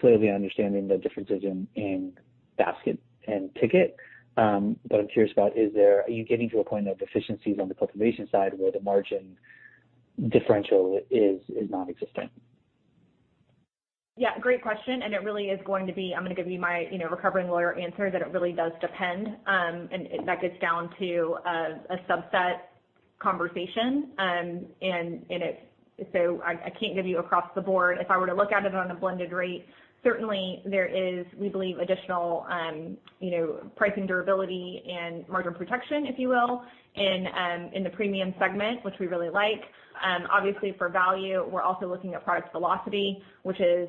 Clearly understanding the differences in basket and ticket. But I'm curious about are you getting to a point of efficiencies on the cultivation side where the margin differential is nonexistent? Yeah, great question. It really is going to be. I'm gonna give you my, you know, recovering lawyer answer that it really does depend. That gets down to a subset conversation. I can't give you across the board. If I were to look at it on a blended rate, certainly there is, we believe, additional, you know, pricing durability and margin protection, if you will, in the premium segment, which we really like. Obviously for value, we're also looking at product velocity, which is,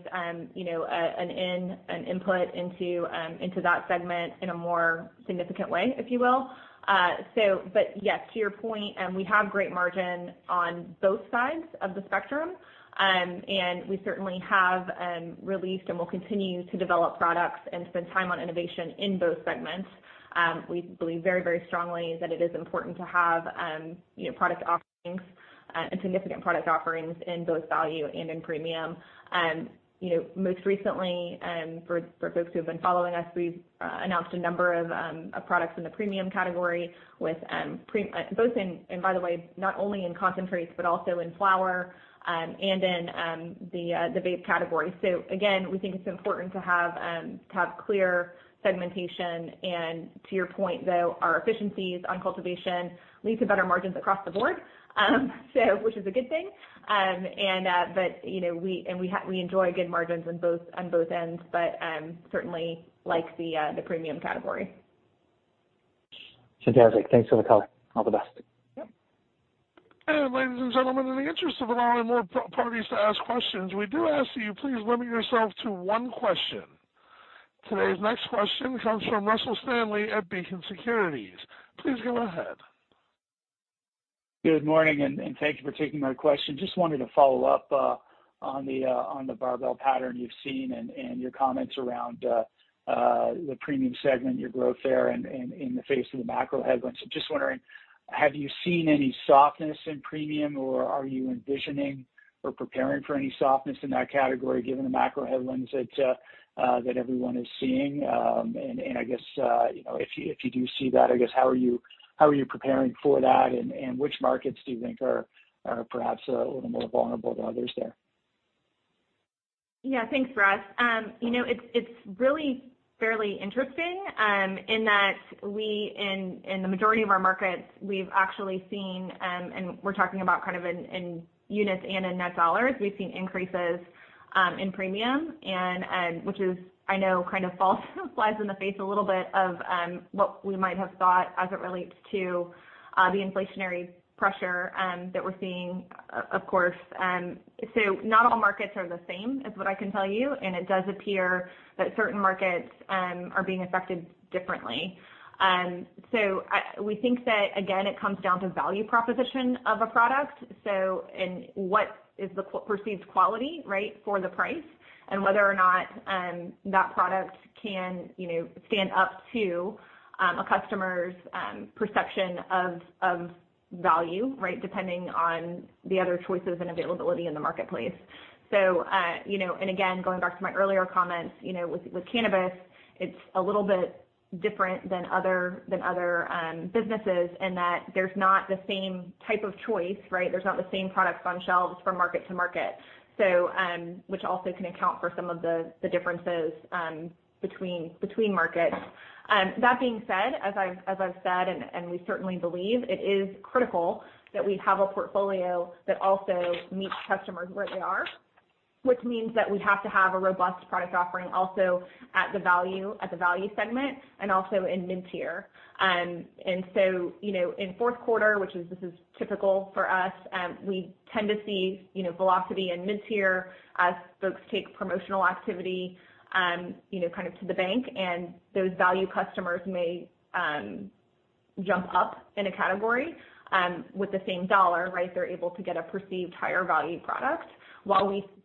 you know, an input into that segment in a more significant way, if you will. But yes, to your point, we have great margin on both sides of the spectrum. We certainly have released and will continue to develop products and spend time on innovation in both segments. We believe very, very strongly that it is important to have, you know, product offerings, significant product offerings in both value and in premium. You know, most recently, for folks who've been following us, we've announced a number of products in the premium category with both in, and by the way, not only in concentrates, but also in flower, and in the vape category. Again, we think it's important to have clear segmentation. To your point, though, our efficiencies on cultivation lead to better margins across the board, so which is a good thing. You know, we enjoy good margins on both ends, but certainly like the premium category. Fantastic. Thanks for the color. All the best. Yep. Ladies and gentlemen, in the interest of allowing more parties to ask questions, we do ask that you please limit yourself to one question. Today's next question comes from Russell Stanley at Beacon Securities. Please go ahead. Good morning, and thank you for taking my question. Just wanted to follow up on the barbell pattern you've seen and your comments around the premium segment, your growth there in the face of the macro headlines. Just wondering, have you seen any softness in premium, or are you envisioning or preparing for any softness in that category, given the macro headlines that everyone is seeing? And I guess, you know, if you do see that, I guess how are you preparing for that, and which markets do you think are perhaps a little more vulnerable than others there? Yeah. Thanks, Russ. You know, it's really fairly interesting in that we, in the majority of our markets, we've actually seen, and we're talking about kind of in units and in net dollars. We've seen increases in premium and, which is, I know, kind of flies in the face a little bit of what we might have thought as it relates to the inflationary pressure that we're seeing of course. Not all markets are the same, is what I can tell you, and it does appear that certain markets are being affected differently. We think that, again, it comes down to value proposition of a product, and what is the perceived quality, right, for the price, and whether or not that product can, you know, stand up to a customer's perception of value, right, depending on the other choices and availability in the marketplace. You know, and again, going back to my earlier comments, you know, with cannabis, it's a little bit different than other businesses in that there's not the same type of choice, right? There's not the same products on shelves from market to market. Which also can account for some of the differences between markets. That being said, as I've said and we certainly believe, it is critical that we have a portfolio that also meets customers where they are, which means that we have to have a robust product offering also at the value segment and also in mid-tier. You know, in fourth quarter, which is typical for us, we tend to see, you know, velocity in mid-tier as folks take promotional activity, you know, kind of to the bank, and those value customers may jump up in a category with the same dollar, right? They're able to get a perceived higher value product. While we see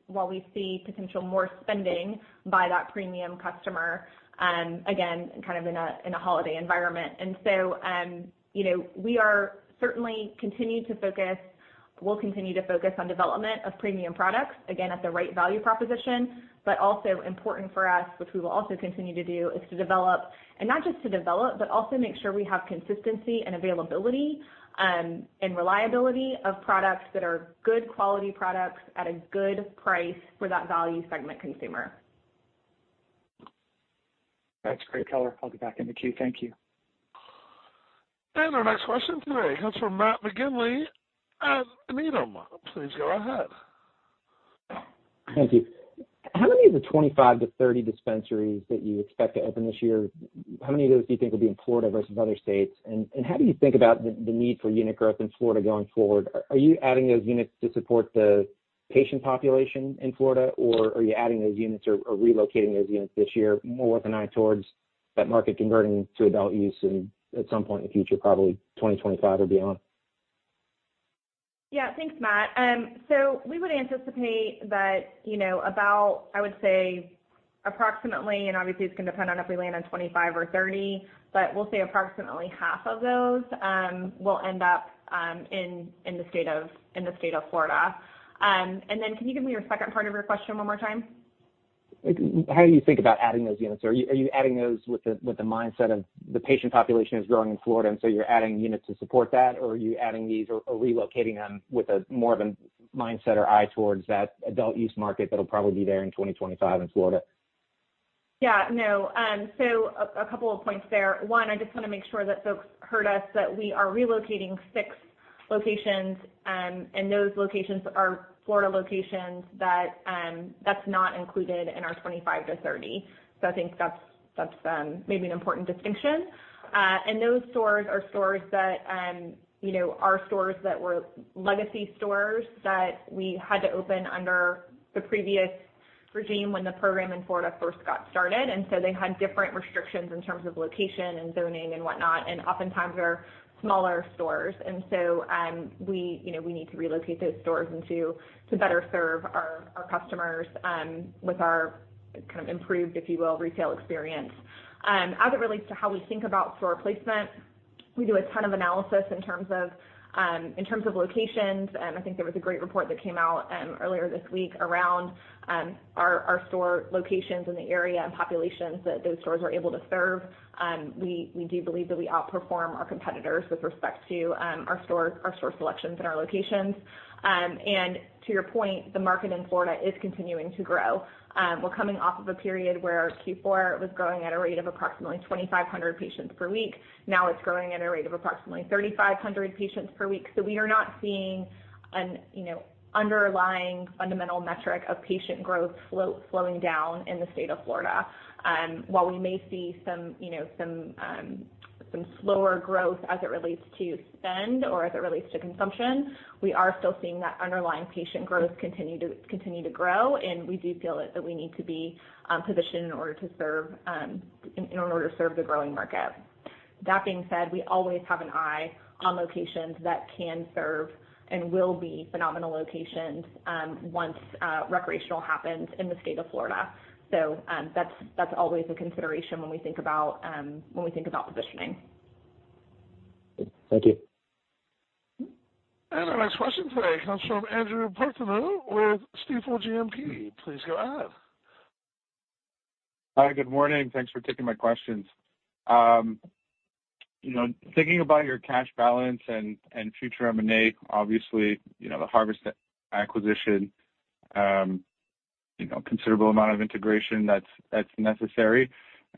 potential more spending by that premium customer, again, kind of in a holiday environment. you know, we'll continue to focus on development of premium products, again, at the right value proposition, but also important for us, which we will also continue to do, is to develop and not just to develop, but also make sure we have consistency and availability, and reliability of products that are good quality products at a good price for that value segment consumer. That's great color. I'll get back in the queue. Thank you. Our next question today comes from Matt McGinley at Needham. Please go ahead. Thank you. How many of the 25-30 dispensaries that you expect to open this year, how many of those do you think will be in Florida versus other states? How do you think about the need for unit growth in Florida going forward? Are you adding those units to support the patient population in Florida, or are you adding those units or relocating those units this year more with an eye towards that market converting to adult use in at some point in the future, probably 2025 or beyond? Yeah. Thanks, Matt. We would anticipate that, you know, about, I would say approximately, and obviously it's going to depend on if we land on 25 or 30, but we'll say approximately half of those will end up in the state of Florida. Can you give me your second part of your question one more time? How do you think about adding those units? Are you adding those with the mindset of the patient population is growing in Florida, and so you're adding units to support that? Or are you adding these or relocating them with a more of a mindset or eye towards that adult use market that'll probably be there in 2025 in Florida? Yeah. No. A couple of points there. One, I just wanna make sure that folks heard us that we are relocating six locations, and those locations are Florida locations that that's not included in our 25-30. I think that's maybe an important distinction. Those stores are stores that you know are stores that were legacy stores that we had to open under the previous regime when the program in Florida first got started. They had different restrictions in terms of location and zoning and whatnot, and oftentimes are smaller stores. We you know we need to relocate those stores to better serve our customers with our kind of improved, if you will, retail experience. As it relates to how we think about store placement, we do a ton of analysis in terms of locations. I think there was a great report that came out earlier this week around our store locations in the area and populations that those stores are able to serve. We do believe that we outperform our competitors with respect to our store selections and our locations. To your point, the market in Florida is continuing to grow. We're coming off of a period where Q4 was growing at a rate of approximately 2,500 patients per week. Now it's growing at a rate of approximately 3,500 patients per week. We are not seeing an, you know, underlying fundamental metric of patient growth flowing down in the state of Florida. While we may see some, you know, some slower growth as it relates to spend or as it relates to consumption, we are still seeing that underlying patient growth continue to grow, and we do feel that we need to be positioned in order to serve the growing market. That being said, we always have an eye on locations that can serve and will be phenomenal locations once recreational happens in the state of Florida. That's always a consideration when we think about positioning. Thank you. Our next question today comes from Andrew Partheniou with Stifel GMP. Please go ahead. Hi. Good morning. Thanks for taking my questions. You know, thinking about your cash balance and future M and A, obviously, you know, the Harvest acquisition, you know, considerable amount of integration that's necessary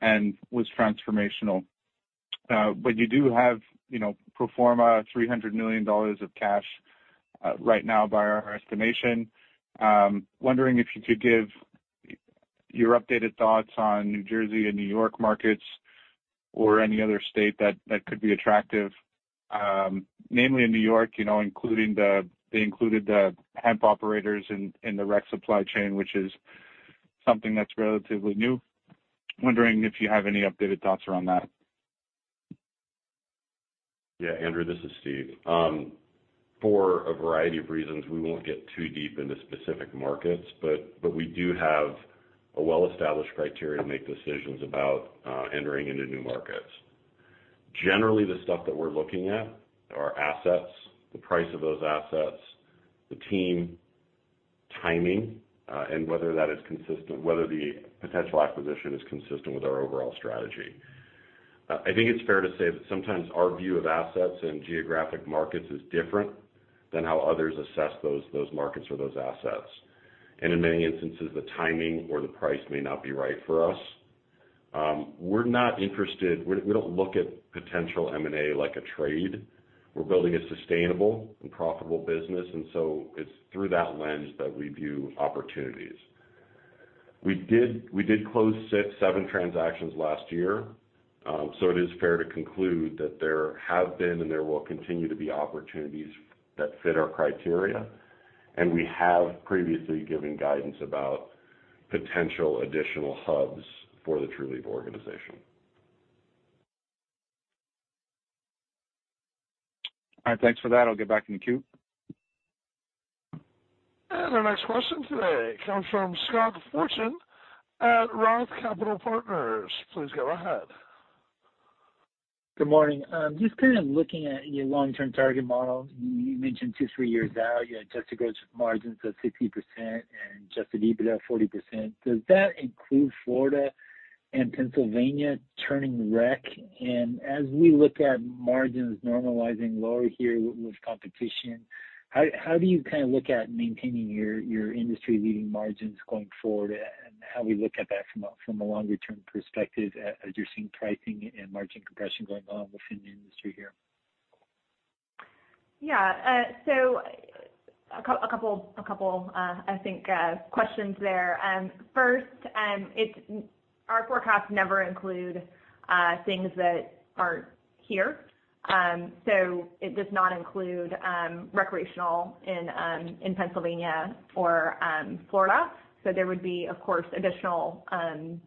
and was transformational. But you do have, you know, pro forma $300 million of cash, right now by our estimation. Wondering if you could give your updated thoughts on New Jersey and New York markets or any other state that could be attractive. Mainly in New York, you know, including they included the hemp operators in the rec supply chain, which is something that's relatively new. Wondering if you have any updated thoughts around that. Yeah. Andrew, this is Steve. For a variety of reasons, we won't get too deep into specific markets, but we do have a well-established criteria to make decisions about entering into new markets. Generally, the stuff that we're looking at are assets, the price of those assets, the team, timing, and whether the potential acquisition is consistent with our overall strategy. I think it's fair to say that sometimes our view of assets and geographic markets is different than how others assess those markets or those assets. In many instances, the timing or the price may not be right for us. We're not interested. We don't look at potential M and A like a trade. We're building a sustainable and profitable business, and so it's through that lens that we view opportunities. We did close six, seven transactions last year, so it is fair to conclude that there have been and there will continue to be opportunities that fit our criteria, and we have previously given guidance about potential additional hubs for the Trulieve organization. All right, thanks for that. I'll get back in the queue. Our next question today comes from Scott Fortune at Roth Capital Partners. Please go ahead. Good morning. Just kind of looking at your long-term target model, you mentioned two-three years out, you had adjusted gross margins of 60% and adjusted EBITDA 40%. Does that include Florida and Pennsylvania turning rec? As we look at margins normalizing lower here with competition, how do you kind of look at maintaining your industry-leading margins going forward, and how we look at that from a longer term perspective as you're seeing pricing and margin compression going on within the industry here? Yeah. A couple, I think, questions there. First, our forecasts never include things that aren't here. It does not include recreational in Pennsylvania or Florida. There would be, of course, additional and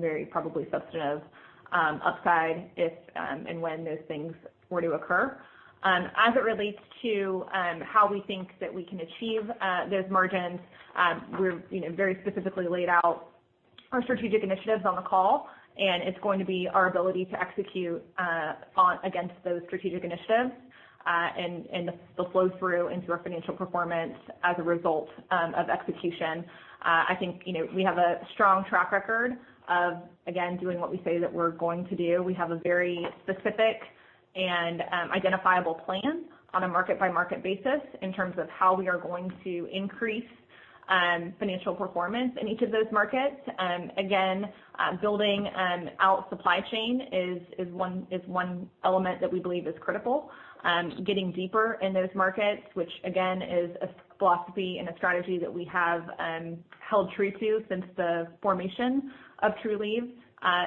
very probably substantive upside if and when those things were to occur. As it relates to how we think that we can achieve those margins, we're, you know, very specifically laid out our strategic initiatives on the call, and it's going to be our ability to execute on against those strategic initiatives and the flow through into our financial performance as a result of execution. I think, you know, we have a strong track record of, again, doing what we say that we're going to do. We have a very specific and identifiable plan on a market by market basis in terms of how we are going to increase financial performance in each of those markets. Again, building out supply chain is one element that we believe is critical. Getting deeper in those markets, which again is a philosophy and a strategy that we have held true to since the formation of Trulieve,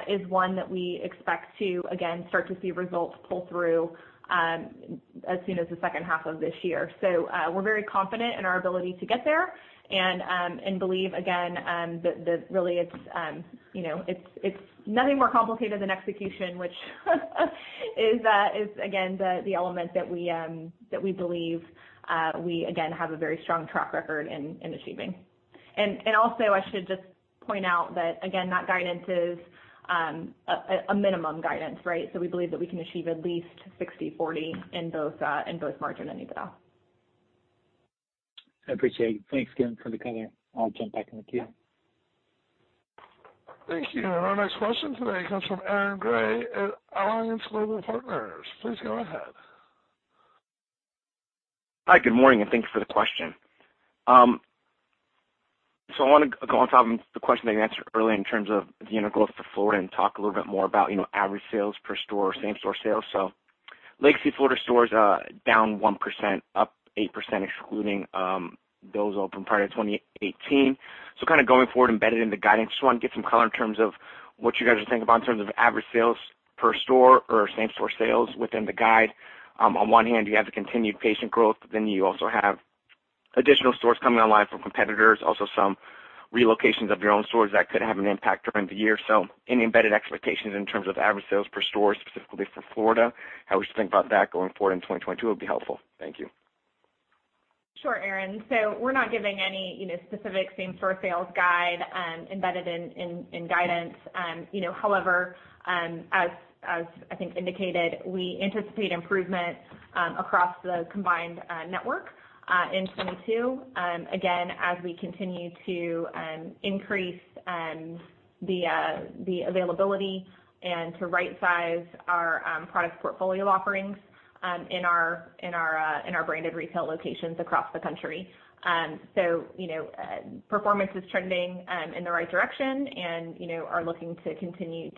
is one that we expect to again start to see results pull through as soon as the second half of this year. We're very confident in our ability to get there and believe again that really it's you know it's nothing more complicated than execution, which is again the element that we believe we again have a very strong track record in achieving. Also I should just point out that again that guidance is a minimum guidance, right? We believe that we can achieve at least 60/40 in both margin and EBITDA. I appreciate it. Thanks again for the color. I'll jump back in the queue. Thank you. Our next question today comes from Aaron Grey at Alliance Global Partners. Please go ahead. Hi, good morning, and thanks for the question. I wanna go on top of the question that you answered earlier in terms of the growth for Florida and talk a little bit more about, you know, average sales per store or same store sales. Legacy Florida stores down 1%, up 8% excluding those open prior to 2018. Kinda going forward embedded in the guidance, just wanna get some color in terms of what you guys are thinking about in terms of average sales per store or same store sales within the guide. On one hand you have the continued patient growth, but then you also have additional stores coming online from competitors, also some relocations of your own stores that could have an impact during the year. Any embedded expectations in terms of average sales per store, specifically for Florida? How we should think about that going forward in 2022 would be helpful. Thank you. Sure, Aaron. We're not giving any, you know, specific same store sales guide embedded in guidance. You know, however, as I think indicated, we anticipate improvement across the combined network in 2022, again, as we continue to increase the availability and to right size our product portfolio offerings in our branded retail locations across the country. You know, performance is trending in the right direction and are looking to continue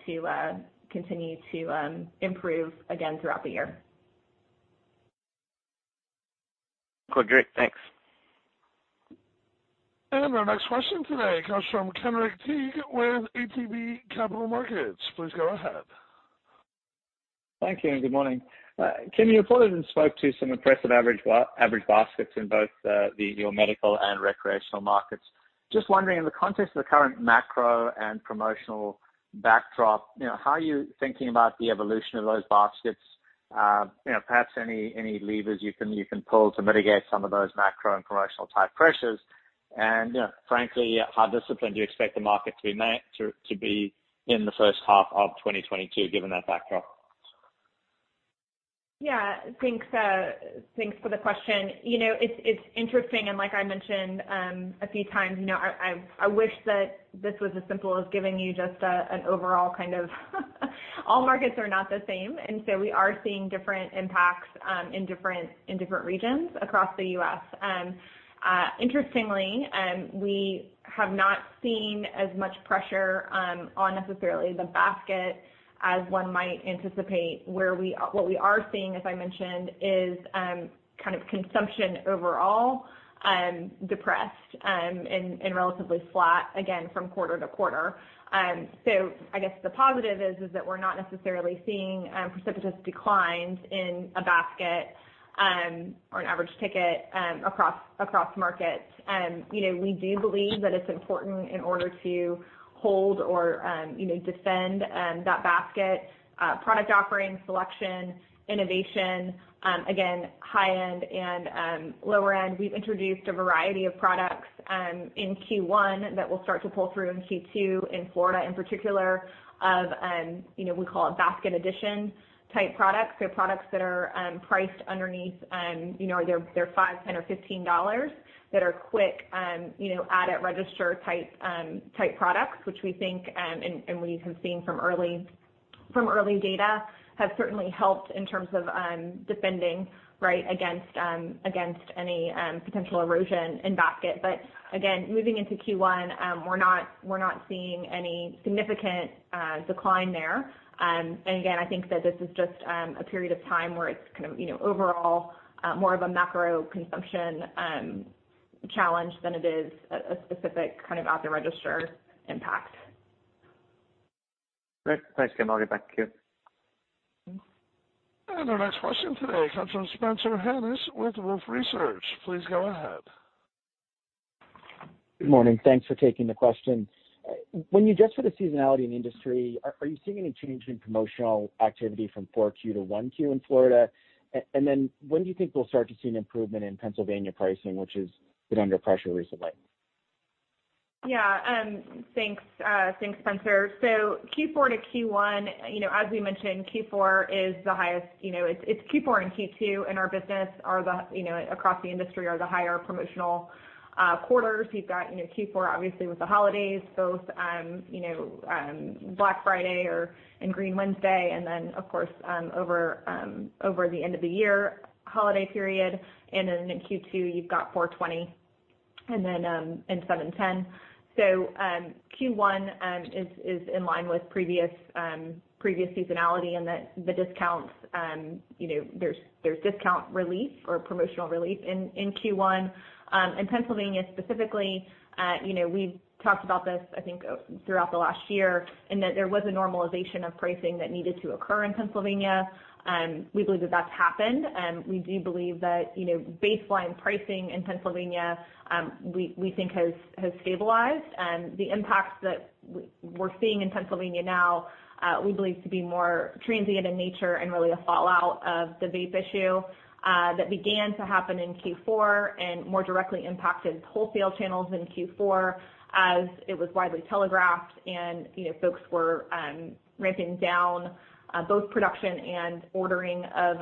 to improve again throughout the year. Cool. Great. Thanks. Our next question today comes from Kenric Tyghe with ATB Capital Markets. Please go ahead. Thank you and good morning. Kim, you alluded and spoke to some impressive average baskets in both your medical and recreational markets. Just wondering, in the context of the current macro and promotional backdrop, you know, how are you thinking about the evolution of those baskets? You know, perhaps any levers you can pull to mitigate some of those macro and promotional type pressures. You know, frankly, how disciplined do you expect the market to be in the first half of 2022, given that backdrop? Yeah. Thanks for the question. You know, it's interesting, and like I mentioned a few times, you know, I wish that this was as simple as giving you just an overall kind of all markets are not the same, and so we are seeing different impacts in different regions across the U.S. Interestingly, we have not seen as much pressure on necessarily the basket as one might anticipate. What we are seeing, as I mentioned, is kind of consumption overall depressed and relatively flat again from quarter to quarter. I guess the positive is that we're not necessarily seeing precipitous declines in a basket or an average ticket across markets. You know, we do believe that it's important in order to hold or defend that basket, product offering, selection, innovation, again, high-end and lower end. We've introduced a variety of products in Q1 that will start to pull through in Q2 in Florida, in particular. You know, we call it basket addition type products. They're products that are priced underneath, you know, they're $5, $10 or $15 that are quick, you know, add at register type products, which we think and we have seen from early data have certainly helped in terms of defending right against any potential erosion in basket. Again, moving into Q1, we're not seeing any significant decline there. Again, I think that this is just a period of time where it's kind of, you know, overall, more of a macro consumption challenge than it is a specific kind of at the register impact. Great. Thanks again, I'll get back to you. Our next question today comes from Spencer Hanus with Wolfe Research. Please go ahead. Good morning. Thanks for taking the question. When you adjust for the seasonality in industry, are you seeing any change in promotional activity from 4Q to 1Q in Florida? When do you think we'll start to see an improvement in Pennsylvania pricing, which has been under pressure recently? Yeah. Thanks, Spencer. Q4 to Q1, you know, as we mentioned, Q4 is the highest. You know, it's Q4 and Q2 in our business, you know, across the industry, are the higher promotional quarters. You've got, you know, Q4 obviously with the holidays, both Black Friday and Green Wednesday, and then of course, over the end of the year holiday period. Then in Q2, you've got 4/20, and then 7/10. Q1 is in line with previous seasonality in that the discounts, you know, there's discount relief or promotional relief in Q1. In Pennsylvania specifically, you know, we've talked about this, I think throughout the last year, in that there was a normalization of pricing that needed to occur in Pennsylvania. We believe that that's happened. We do believe that, you know, baseline pricing in Pennsylvania, we think has stabilized. The impacts that we're seeing in Pennsylvania now, we believe to be more transient in nature and really a fallout of the vape issue, that began to happen in Q4 and more directly impacted wholesale channels in Q4 as it was widely telegraphed. You know, folks were ramping down both production and ordering of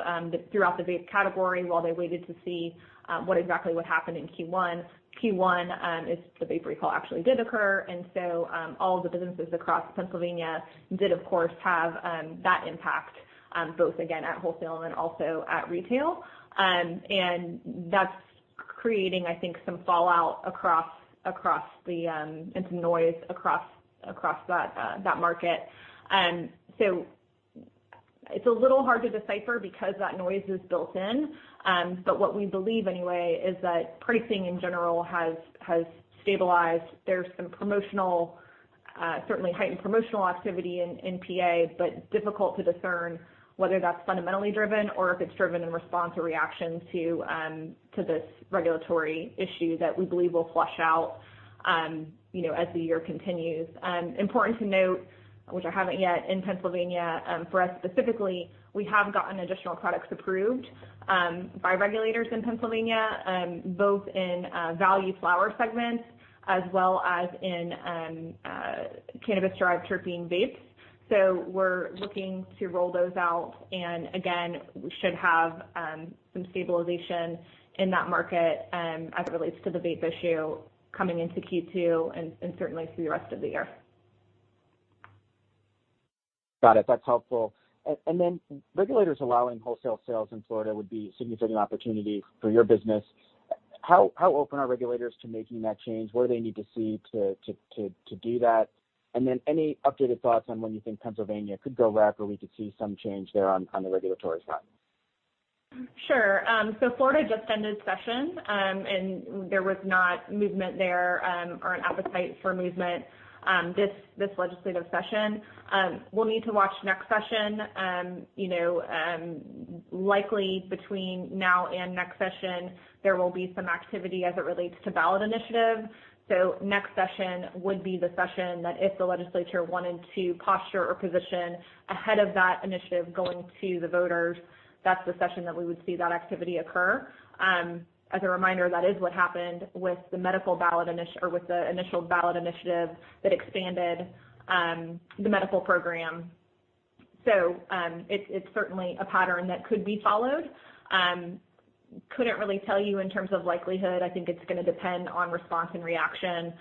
throughout the vape category while they waited to see what exactly would happen in Q1. In Q1, the vape recall actually did occur. All of the businesses across Pennsylvania did, of course, have that impact both again at wholesale and also at retail. That's creating, I think, some fallout across and some noise across that market. It's a little hard to decipher because that noise is built in. What we believe anyway is that pricing in general has stabilized. There's some promotional, certainly heightened promotional activity in PA, but difficult to discern whether that's fundamentally driven or if it's driven in response or reaction to this regulatory issue that we believe will flush out, you know, as the year continues. Important to note, which I haven't yet, in Pennsylvania, for us specifically, we have gotten additional products approved by regulators in Pennsylvania, both in value flower segments as well as in cannabis-derived terpene vapes. We're looking to roll those out, and again, we should have some stabilization in that market, as it relates to the vape issue coming into Q2 and certainly through the rest of the year. Got it. That's helpful. Regulators allowing wholesale sales in Florida would be a significant opportunity for your business. How open are regulators to making that change? What do they need to see to do that? Any updated thoughts on when you think Pennsylvania could go rec, or we could see some change there on the regulatory side? Sure. Florida just ended session, and there was not movement there, or an appetite for movement, this legislative session. We'll need to watch next session. You know, likely between now and next session, there will be some activity as it relates to ballot initiative. Next session would be the session that if the legislature wanted to posture or position ahead of that initiative going to the voters, that's the session that we would see that activity occur. As a reminder, that is what happened with the medical ballot or with the initial ballot initiative that expanded the medical program. It's certainly a pattern that could be followed. Couldn't really tell you in terms of likelihood. I think it's gonna depend on response and reaction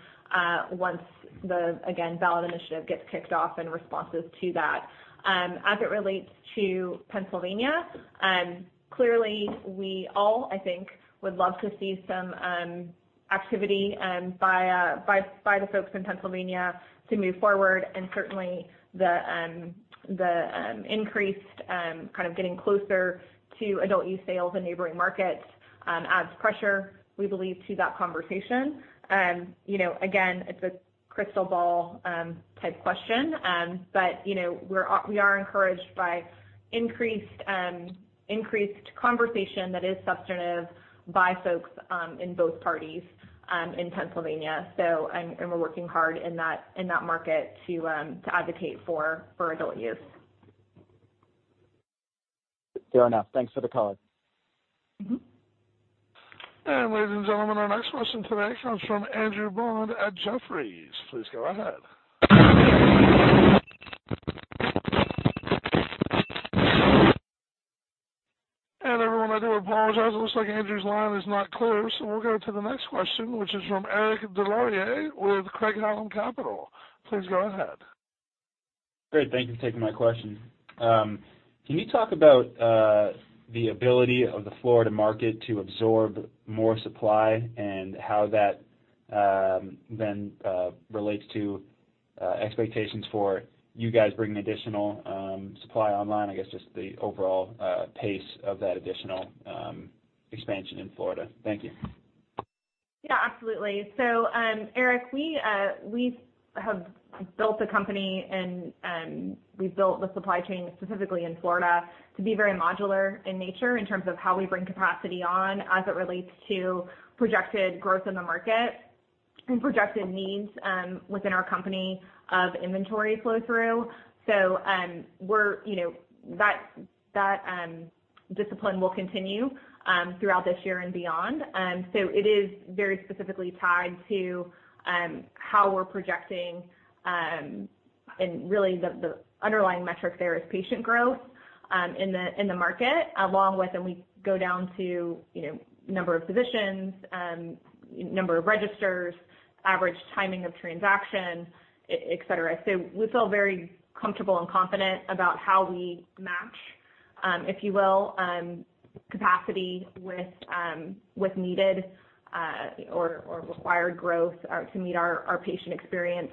once again the ballot initiative gets kicked off and responses to that. As it relates to Pennsylvania, clearly we all, I think, would love to see some activity by the folks in Pennsylvania to move forward. Certainly the increased kind of getting closer to adult use sales in neighboring markets adds pressure, we believe, to that conversation. You know, again, it's a crystal ball type question. But you know, we are encouraged by increased conversation that is substantive by folks in both parties in Pennsylvania. We're working hard in that market to advocate for adult use. Fair enough. Thanks for the call. Mm-hmm. Ladies and gentlemen, our next question today comes from Andrew Bond at Jefferies. Please go ahead. Everyone, I do apologize. It looks like Andrew's line is not clear, so we'll go to the next question, which is from Eric Deslauriers with Craig-Hallum Capital. Please go ahead. Great. Thank you for taking my question. Can you talk about the ability of the Florida market to absorb more supply and how that then relates to expectations for you guys bringing additional supply online, I guess just the overall pace of that additional expansion in Florida. Thank you. Yeah, absolutely. Eric, we have built the company and we've built the supply chain specifically in Florida to be very modular in nature in terms of how we bring capacity on as it relates to projected growth in the market and projected needs within our company of inventory flow through. That discipline will continue throughout this year and beyond. It is very specifically tied to how we're projecting and really the underlying metric there is patient growth in the market, along with when we go down to, you know, number of physicians, number of registers, average timing of transaction, et cetera. We feel very comfortable and confident about how we match, if you will, capacity with needed, or required growth or to meet our patient experience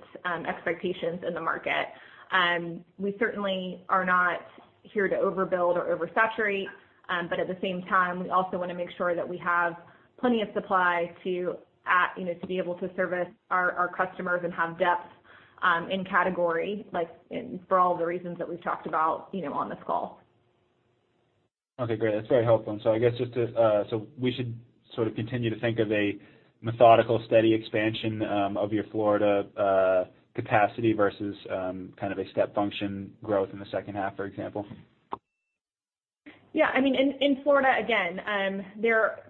expectations in the market. We certainly are not here to overbuild or oversaturate, but at the same time, we also wanna make sure that we have plenty of supply, you know, to be able to service our customers and have depth in category, like, in, for all the reasons that we've talked about, you know, on this call. Okay, great. That's very helpful. I guess we should sort of continue to think of a methodical, steady expansion of your Florida capacity versus kind of a step function growth in the second half, for example. Yeah. I mean, in Florida, again.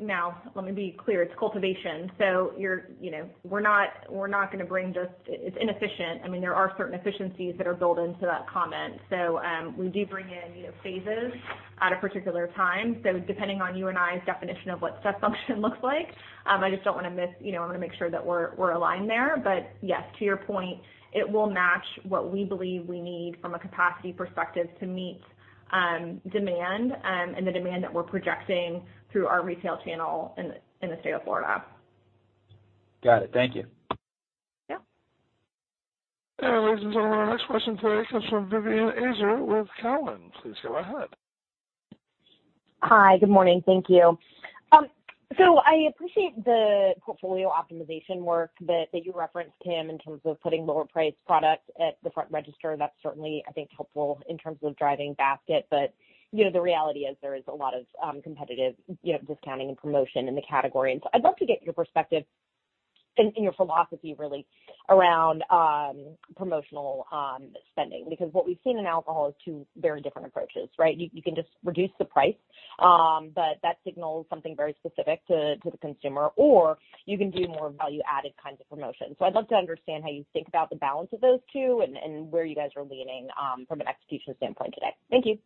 Now, let me be clear. It's cultivation, so you're, you know, we're not gonna bring just. It's inefficient. I mean, there are certain efficiencies that are built into that comment. So, we do bring in, you know, phases at a particular time. So depending on you and I's definition of what step function looks like, I just don't wanna miss, you know, I wanna make sure that we're aligned there. Yes, to your point, it will match what we believe we need from a capacity perspective to meet demand, and the demand that we're projecting through our retail channel in the state of Florida. Got it. Thank you. Yeah. Ladies and gentlemen, our next question today comes from Vivien Azer with Cowen. Please go ahead. Hi. Good morning. Thank you. I appreciate the portfolio optimization work that you referenced, Kim, in terms of putting lower priced product at the front register. That's certainly, I think, helpful in terms of driving basket. You know, the reality is there is a lot of competitive, you know, discounting and promotion in the category. I'd love to get your perspective and your philosophy really around promotional spending, because what we've seen in alcohol is two very different approaches, right? You can just reduce the price, but that signals something very specific to the consumer. Or you can do more value added kinds of promotions. I'd love to understand how you think about the balance of those two and where you guys are leaning from an execution standpoint today. Thank you.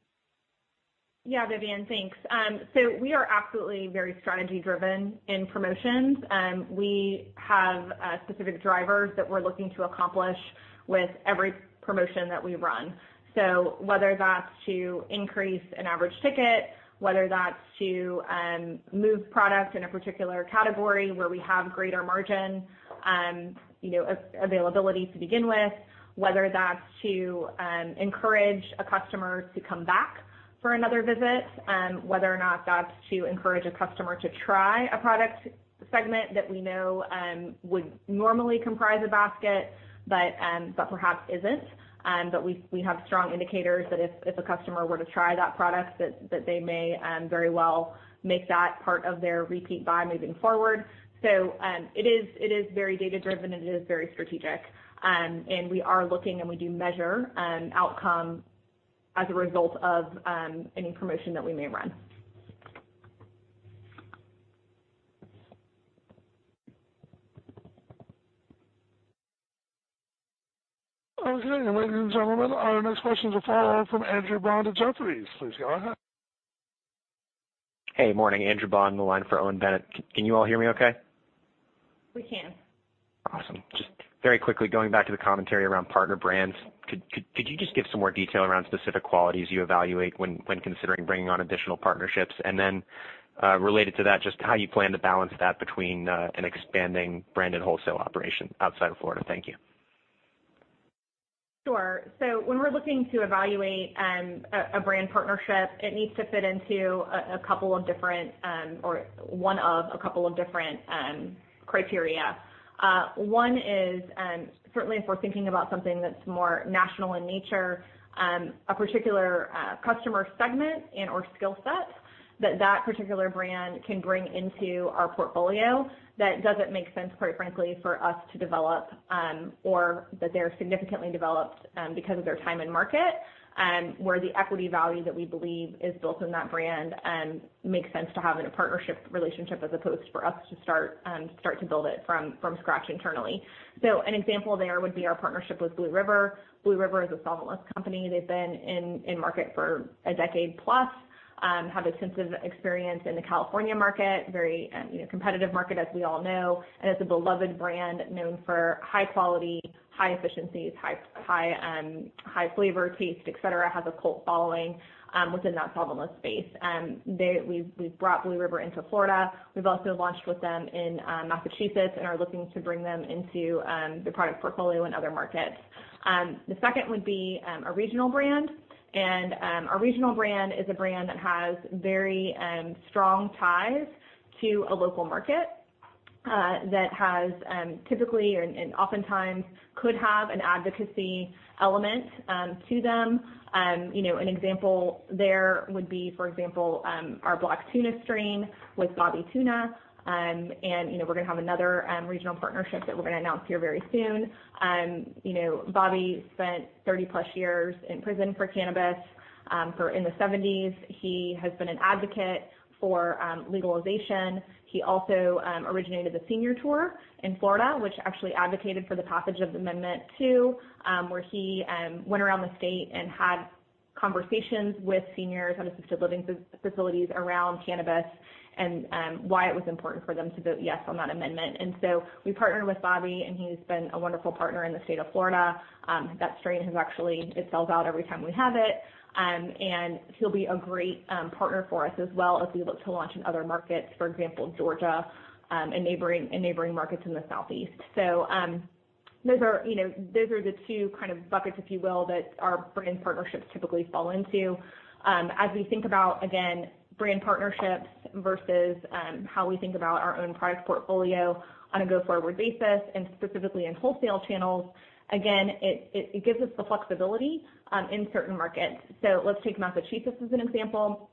Yeah, Vivien, thanks. We are absolutely very strategy driven in promotions. We have specific drivers that we're looking to accomplish with every promotion that we run. Whether that's to increase an average ticket, whether that's to move product in a particular category where we have greater margin, you know, availability to begin with, whether that's to encourage a customer to come back for another visit, whether or not that's to encourage a customer to try a product segment that we know would normally comprise a basket, but perhaps isn't. We have strong indicators that if a customer were to try that product, that they may very well make that part of their repeat buy moving forward. It is very data driven, and it is very strategic. We are looking and we do measure outcome as a result of any promotion that we may run. Okay. Ladies and gentlemen, our next question is a follow-on from Andrew Bond at Jefferies. Please go ahead. Hey. Morning. Andrew Bond on the line for Owen Bennett. Can you all hear me okay? We can. Awesome. Just very quickly going back to the commentary around partner brands, could you just give some more detail around specific qualities you evaluate when considering bringing on additional partnerships? Related to that, just how you plan to balance that between an expanding branded wholesale operation outside of Florida? Thank you. Sure. When we're looking to evaluate a brand partnership, it needs to fit into one of a couple of different criteria. One is certainly if we're thinking about something that's more national in nature, a particular customer segment and/or skill set that particular brand can bring into our portfolio that doesn't make sense, quite frankly, for us to develop or that they're significantly developed because of their time in market where the equity value that we believe is built in that brand makes sense to have in a partnership relationship as opposed for us to start to build it from scratch internally. An example there would be our partnership with Blue River. Blue River is a solventless company. They've been in market for a decade plus, have extensive experience in the California market, very competitive market, as we all know, and is a beloved brand known for high quality, high efficiencies, high flavor taste, et cetera, has a cult following within that solventless space. We've brought Blue River into Florida. We've also launched with them in Massachusetts and are looking to bring them into the product portfolio in other markets. The second would be a regional brand. A regional brand is a brand that has very strong ties to a local market, that has typically and oftentimes could have an advocacy element to them. You know, an example there would be, for example, our Black Tuna strain with Bobby Tuna. You know, we're gonna have another regional partnership that we're gonna announce here very soon. You know, Bobby spent 30+ years in prison for cannabis in the 1970s. He has been an advocate for legalization. He also originated the senior tour in Florida, which actually advocated for the passage of Amendment two, where he went around the state and had conversations with seniors at assisted living facilities around cannabis and why it was important for them to vote yes on that amendment. We partnered with Bobby, and he's been a wonderful partner in the state of Florida. That strain has actually, it sells out every time we have it. He'll be a great partner for us as we look to launch in other markets, for example, Georgia, and neighboring markets in the Southeast. Those are, you know, the two kind of buckets, if you will, that our brand partnerships typically fall into. As we think about, again, brand partnerships versus how we think about our own product portfolio on a go-forward basis and specifically in wholesale channels, again, it gives us the flexibility in certain markets. Let's take Massachusetts as an example.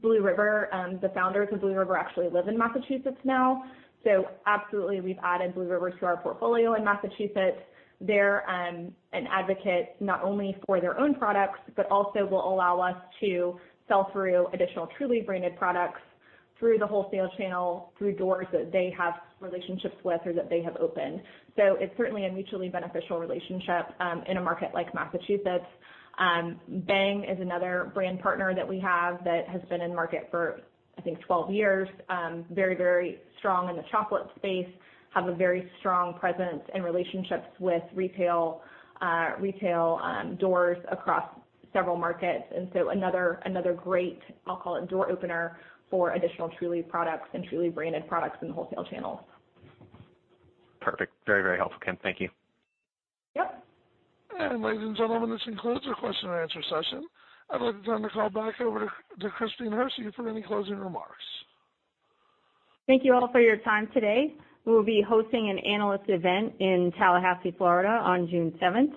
Blue River, the founders of Blue River actually live in Massachusetts now. Absolutely, we've added Blue River to our portfolio in Massachusetts. They're an advocate not only for their own products, but also will allow us to sell through additional Trulieve branded products through the wholesale channel, through doors that they have relationships with or that they have opened. It's certainly a mutually beneficial relationship in a market like Massachusetts. Bhang is another brand partner that we have that has been in market for, I think, 12 years, very, very strong in the chocolate space, have a very strong presence and relationships with retail doors across several markets. Another great, I'll call it door opener for additional Trulieve products and Trulieve branded products in the wholesale channels. Perfect. Very, very helpful, Kim. Thank you. Yep. Ladies and gentlemen, this concludes our question and answer session. I'd like to turn the call back over to Christine Hersey for any closing remarks. Thank you all for your time today. We will be hosting an analyst event in Tallahassee, Florida, on June seventh.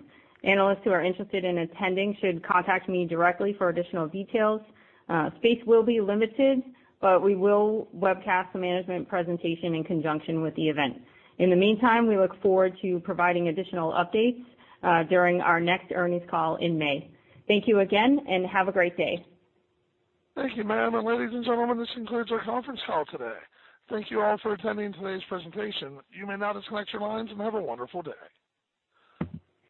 Analysts who are interested in attending should contact me directly for additional details. Space will be limited, but we will webcast the management presentation in conjunction with the event. In the meantime, we look forward to providing additional updates during our next earnings call in May. Thank you again, and have a great day. Thank you, ma'am. Ladies and gentlemen, this concludes our conference call today. Thank you all for attending today's presentation. You may now disconnect your lines and have a wonderful day.